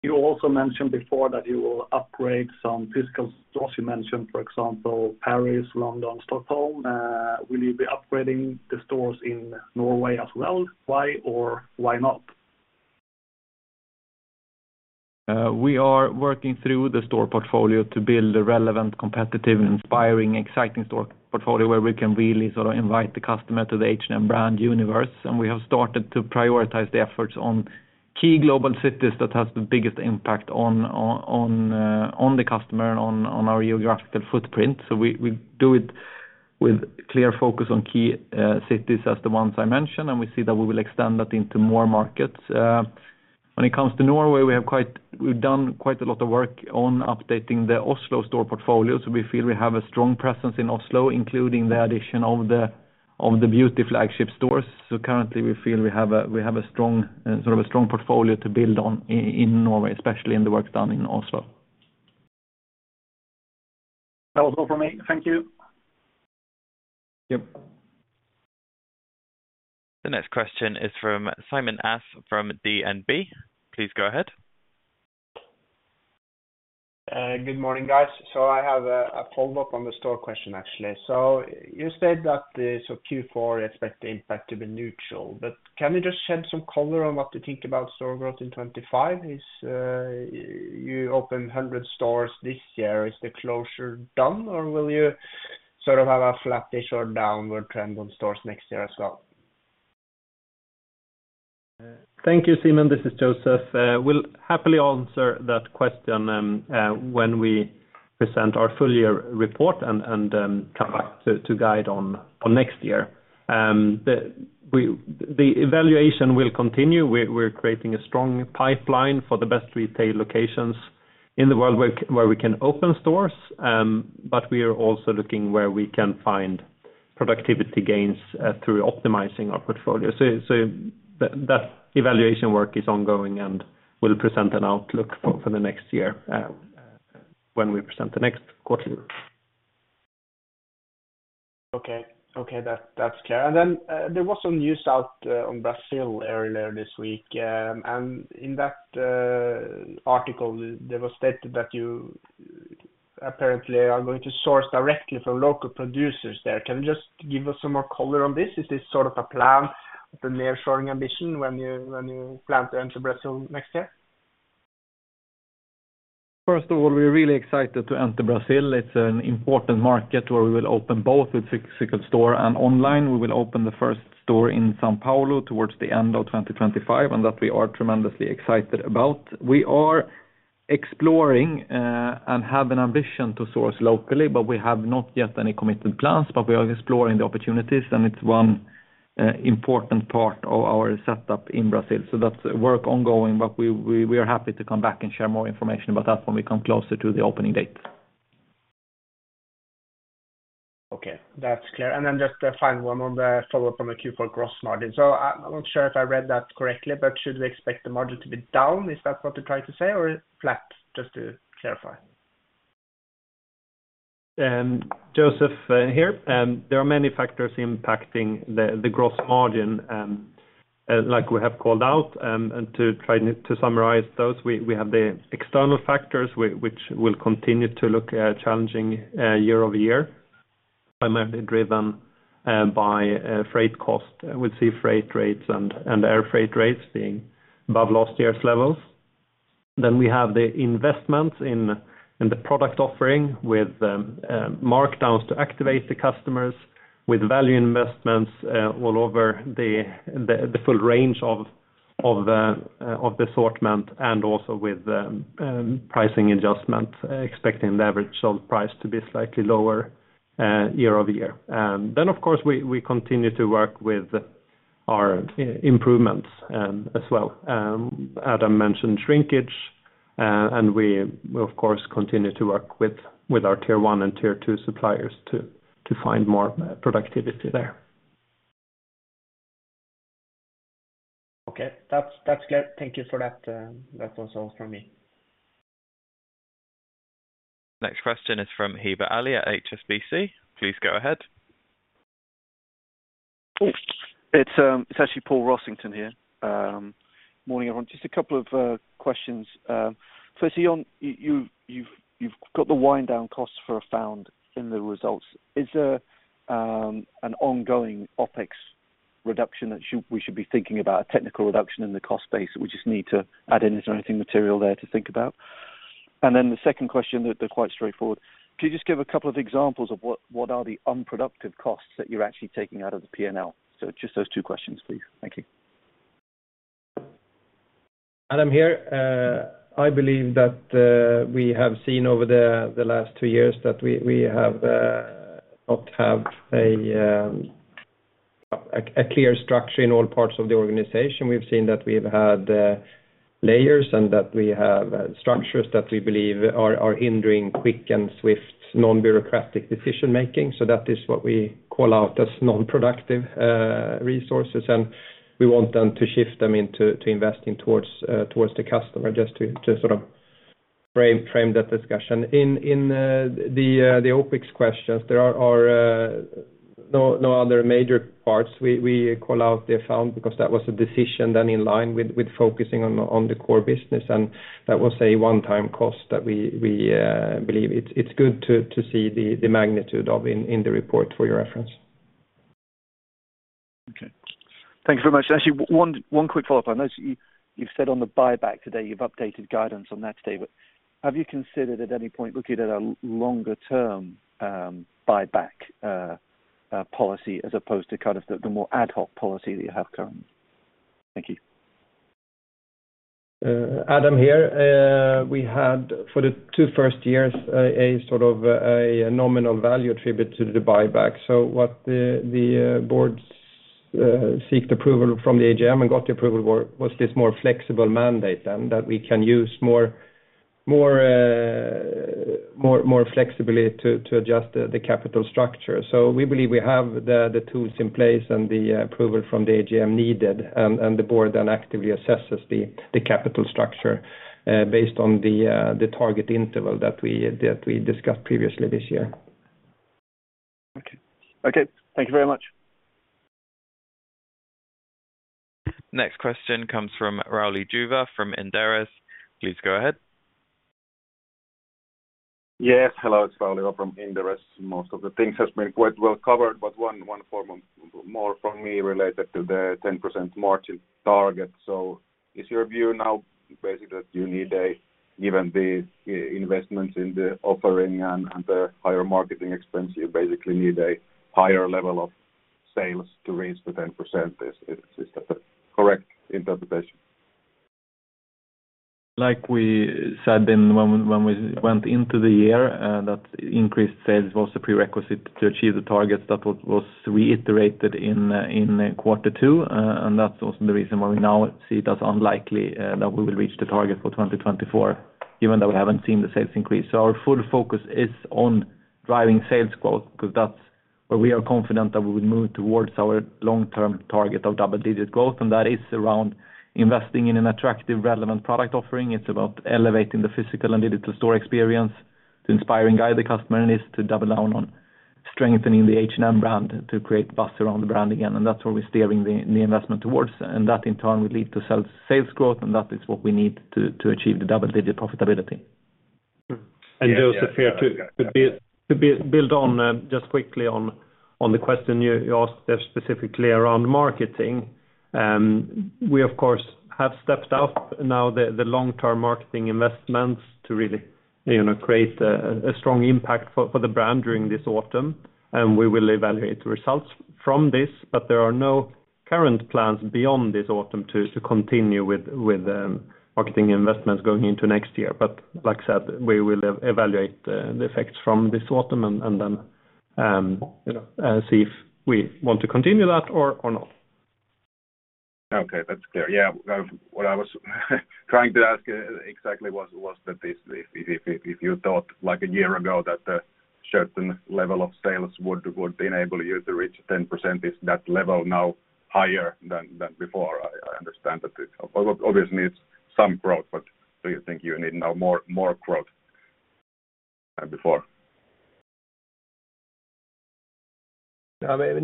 You also mentioned before that you will upgrade some physical stores. You mentioned, for example, Paris, London, Stockholm. Will you be upgrading the stores in Norway as well? Why or why not? We are working through the store portfolio to build a relevant, competitive, inspiring, exciting store portfolio, where we can really sort of invite the customer to the H&M brand universe. And we have started to prioritize the efforts on key global cities that has the biggest impact on the customer and on our geographical footprint. So we do it with clear focus on key cities as the ones I mentioned, and we see that we will extend that into more markets. When it comes to Norway, we have done quite a lot of work on updating the Oslo store portfolio, so we feel we have a strong presence in Oslo, including the addition of the beauty flagship stores. Currently, we feel we have a sort of a strong portfolio to build on in Norway, especially in the work done in Oslo. That was all for me. Thank you. Yep. The next question is from Simen Aas from DNB. Please go ahead. Good morning, guys. So I have a follow-up on the store question, actually. So you said that Q4, you expect the impact to be neutral, but can you just shed some color on what you think about store growth in 2025? You opened 100 stores this year. Is the closure done, or will you sort of have a flattish or downward trend on stores next year as well? Thank you, Simon. This is Joseph. We'll happily answer that question when we present our full year report and come back to guide on next year. The evaluation will continue. We're creating a strong pipeline for the best retail locations in the world where we can open stores, but we are also looking where we can find productivity gains through optimizing our portfolio. That evaluation work is ongoing, and we'll present an outlook for the next year in due course.... when we present the next quarterly. Okay, okay, that's, that's clear. And then, there was some news out on Brazil earlier this week, and in that article, there was stated that you apparently are going to source directly from local producers there. Can you just give us some more color on this? Is this sort of a plan, the nearshoring ambition when you plan to enter Brazil next year? First of all, we're really excited to enter Brazil. It's an important market where we will open both the physical store and online. We will open the first store in São Paulo towards the end of 2025, and that we are tremendously excited about. We are exploring and have an ambition to source locally, but we have not yet any committed plans, but we are exploring the opportunities, and it's one important part of our setup in Brazil. So that's work ongoing, but we are happy to come back and share more information about that when we come closer to the opening date. Okay, that's clear. And then just a final one on the follow-up on the Q4 gross margin. So I'm not sure if I read that correctly, but should we expect the margin to be down? Is that what you're trying to say, or flat? Just to clarify. Joseph, here. There are many factors impacting the gross margin, like we have called out. To try to summarize those, we have the external factors, which will continue to look challenging year over year, primarily driven by freight cost. We see freight rates and air freight rates being above last year's levels. Then we have the investment in the product offering with markdowns to activate the customers, with value investments all over the full range of the assortment, and also with pricing adjustments, expecting the average sale price to be slightly lower year over year. Then, of course, we continue to work with our improvements as well. Adam mentioned shrinkage, and we, of course, continue to work with our tier one and tier two suppliers to find more productivity there. Okay. That's, that's clear. Thank you for that, that's also all from me. Next question is from Heba Ali at HSBC. Please go ahead. It's actually Paul Rossington here. Morning, everyone. Just a couple of questions. First, one, you've got the wind down costs for Afound in the results. Is there an ongoing OpEx reduction that we should be thinking about, a technical reduction in the cost base, that we just need to add in, is there anything material there to think about? And then the second question that's quite straightforward: Can you just give a couple of examples of what the unproductive costs are that you're actually taking out of the P&L? So just those two questions, please. Thank you. Adam here. I believe that we have seen over the last two years that we have not have a clear structure in all parts of the organization. We've seen that we've had layers and that we have structures that we believe are hindering quick and swift, non-bureaucratic decision-making. So that is what we call out as non-productive resources, and we want them to shift them into investing towards the customer, just sort of frame that discussion. In the OpEx questions, there are no other major parts. We call out the Afound because that was a decision then in line with focusing on the core business, and that was a one-time cost that we believe it's good to see the magnitude of in the report for your reference. Okay. Thank you very much. Actually, one quick follow-up on that. You've said on the buyback today, you've updated guidance on that today, but have you considered, at any point, looking at a longer-term buyback policy, as opposed to kind of the more ad hoc policy that you have currently? Thank you. Adam here. We had for the two first years a sort of a nominal value attributed to the buyback. So what the board sought approval from the AGM and got the approval was this more flexible mandate then, that we can use more flexibility to adjust the capital structure. So we believe we have the tools in place and the approval from the AGM needed, and the board then actively assesses the capital structure based on the target interval that we discussed previously this year. Okay. Okay, thank you very much. Next question comes from Rauli Juva from Inderes. Please go ahead. Yes, hello, it's Rauli from Inderes. Most of the things has been quite well covered, but one more from me related to the 10% margin target. So is your view now basically that you need a, given the investments in the offering and the higher marketing expense, you basically need a higher level of sales to reach the 10%? Is that the correct interpretation? Like we said when we went into the year, that increased sales was a prerequisite to achieve the targets. That was reiterated in quarter two, and that was the reason why we now see it as unlikely that we will reach the target for 2024, even though we haven't seen the sales increase. So our full focus is on driving sales growth, because that's- ... but we are confident that we will move towards our long-term target of double-digit growth, and that is around investing in an attractive, relevant product offering. It's about elevating the physical and digital store experience to inspire and guide the customer, and is to double down on strengthening the H&M brand to create buzz around the brand again, and that's where we're steering the investment towards, and that, in turn, will lead to sales, sales growth, and that is what we need to achieve the double-digit profitability. And Joseph, here to build on just quickly on the question you asked specifically around marketing. We, of course, have stepped up now the long-term marketing investments to really, you know, create a strong impact for the brand during this autumn, and we will evaluate the results from this. But there are no current plans beyond this autumn to continue with marketing investments going into next year. But like I said, we will evaluate the effects from this autumn and then, you know, see if we want to continue that or not. Okay, that's clear. Yeah, what I was trying to ask exactly was that if you thought, like a year ago, that a certain level of sales would enable you to reach 10%, is that level now higher than before? I understand that it obviously needs some growth, but do you think you need now more growth than before? I mean,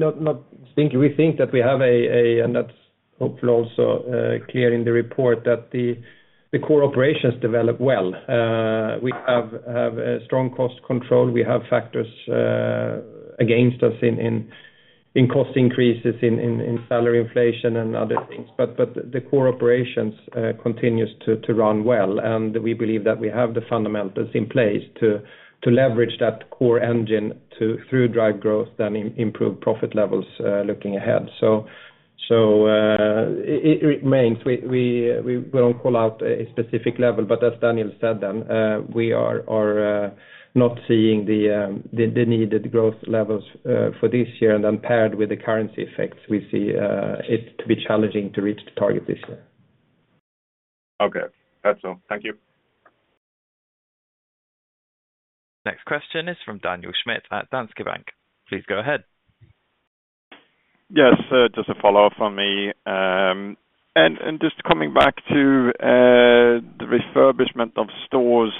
we think that we have, and that's hopefully also clear in the report, that the core operations develop well. We have strong cost control. We have factors against us in cost increases, in salary inflation and other things. But the core operations continues to run well, and we believe that we have the fundamentals in place to leverage that core engine to drive growth and improve profit levels, looking ahead. So, it remains. We don't call out a specific level, but as Daniel said then, we are not seeing the needed growth levels for this year, and then paired with the currency effects, we see it to be challenging to reach the target this year. Okay. That's all. Thank you. Next question is from Daniel Schmidt at Danske Bank. Please go ahead. Yes, just a follow-up from me, and just coming back to the refurbishment of stores,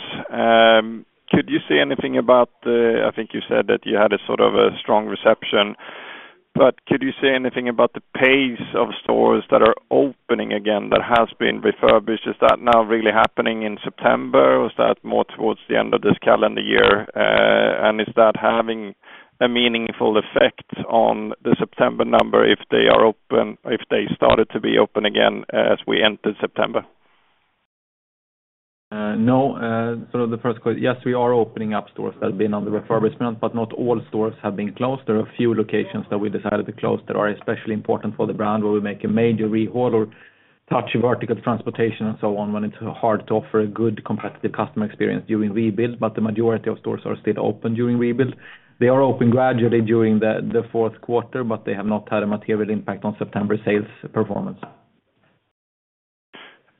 could you say anything about the, I think you said that you had a sort of a strong reception, but could you say anything about the pace of stores that are opening again, that has been refurbished? Is that now really happening in September, or is that more towards the end of this calendar year, and is that having a meaningful effect on the September number, if they are open, if they started to be open again as we entered September? Yes, we are opening up stores that have been on the refurbishment, but not all stores have been closed. There are a few locations that we decided to close that are especially important for the brand, where we make a major reorder, such as vertical transportation and so on, when it's hard to offer a good competitive customer experience during rebuild. But the majority of stores are still open during rebuild. They are open gradually during the fourth quarter, but they have not had a material impact on September sales performance.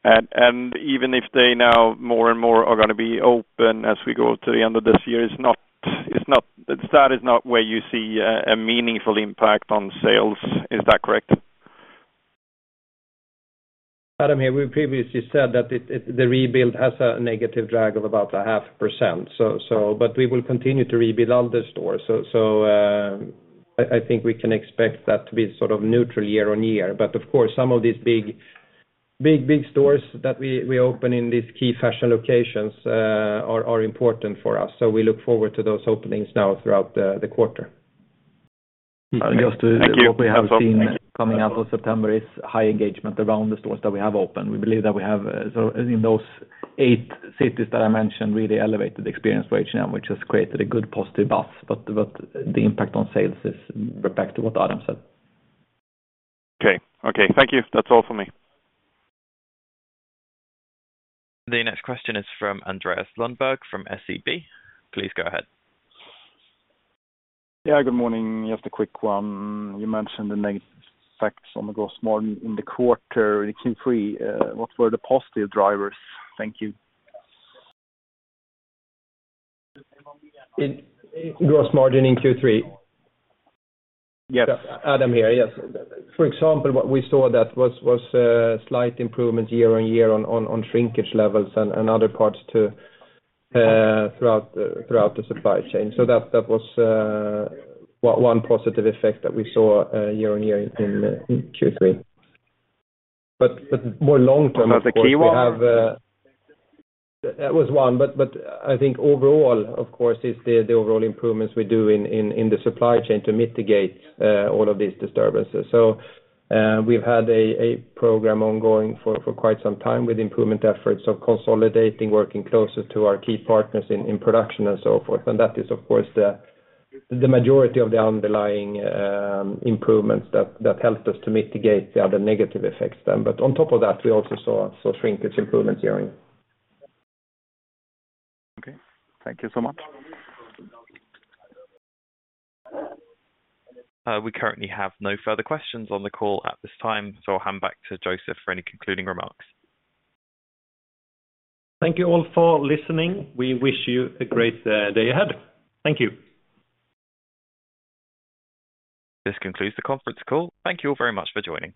Even if they now more and more are gonna be open as we go to the end of this year, that is not where you see a meaningful impact on sales, is that correct? Adam here. We previously said that the rebuild has a negative drag of about 0.5%, but we will continue to rebuild all the stores, so I think we can expect that to be sort of neutral year on year, but of course, some of these big stores that we open in these key fashion locations are important for us, so we look forward to those openings now throughout the quarter. Thank you. What we have seen coming out of September is high engagement around the stores that we have opened. We believe that we have, so in those eight cities that I mentioned, really elevated the experience for H&M, which has created a good positive buzz, but the impact on sales is back to what Adam said. Okay. Okay, thank you. That's all for me. The next question is from Andreas Lundberg, from SEB. Please go ahead. Yeah, good morning. Just a quick one. You mentioned the negative effects on the gross margin in the quarter, in Q3. What were the positive drivers? Thank you. In gross margin in Q3? Yes. Adam here. Yes. For example, what we saw that was a slight improvement year on year on shrinkage levels and other parts to throughout the supply chain. So that was one positive effect that we saw year on year in Q3. But more long term, of course- Was that the key one? We have. That was one, but I think overall, of course, it's the overall improvements we do in the supply chain to mitigate all of these disturbances. So, we've had a program ongoing for quite some time with improvement efforts of consolidating, working closer to our key partners in production and so forth. And that is, of course, the majority of the underlying improvements that helped us to mitigate the other negative effects then. But on top of that, we also saw shrinkage improvements year on year. Okay. Thank you so much. We currently have no further questions on the call at this time, so I'll hand back to Joseph for any concluding remarks. Thank you all for listening. We wish you a great day ahead. Thank you. This concludes the conference call. Thank you all very much for joining.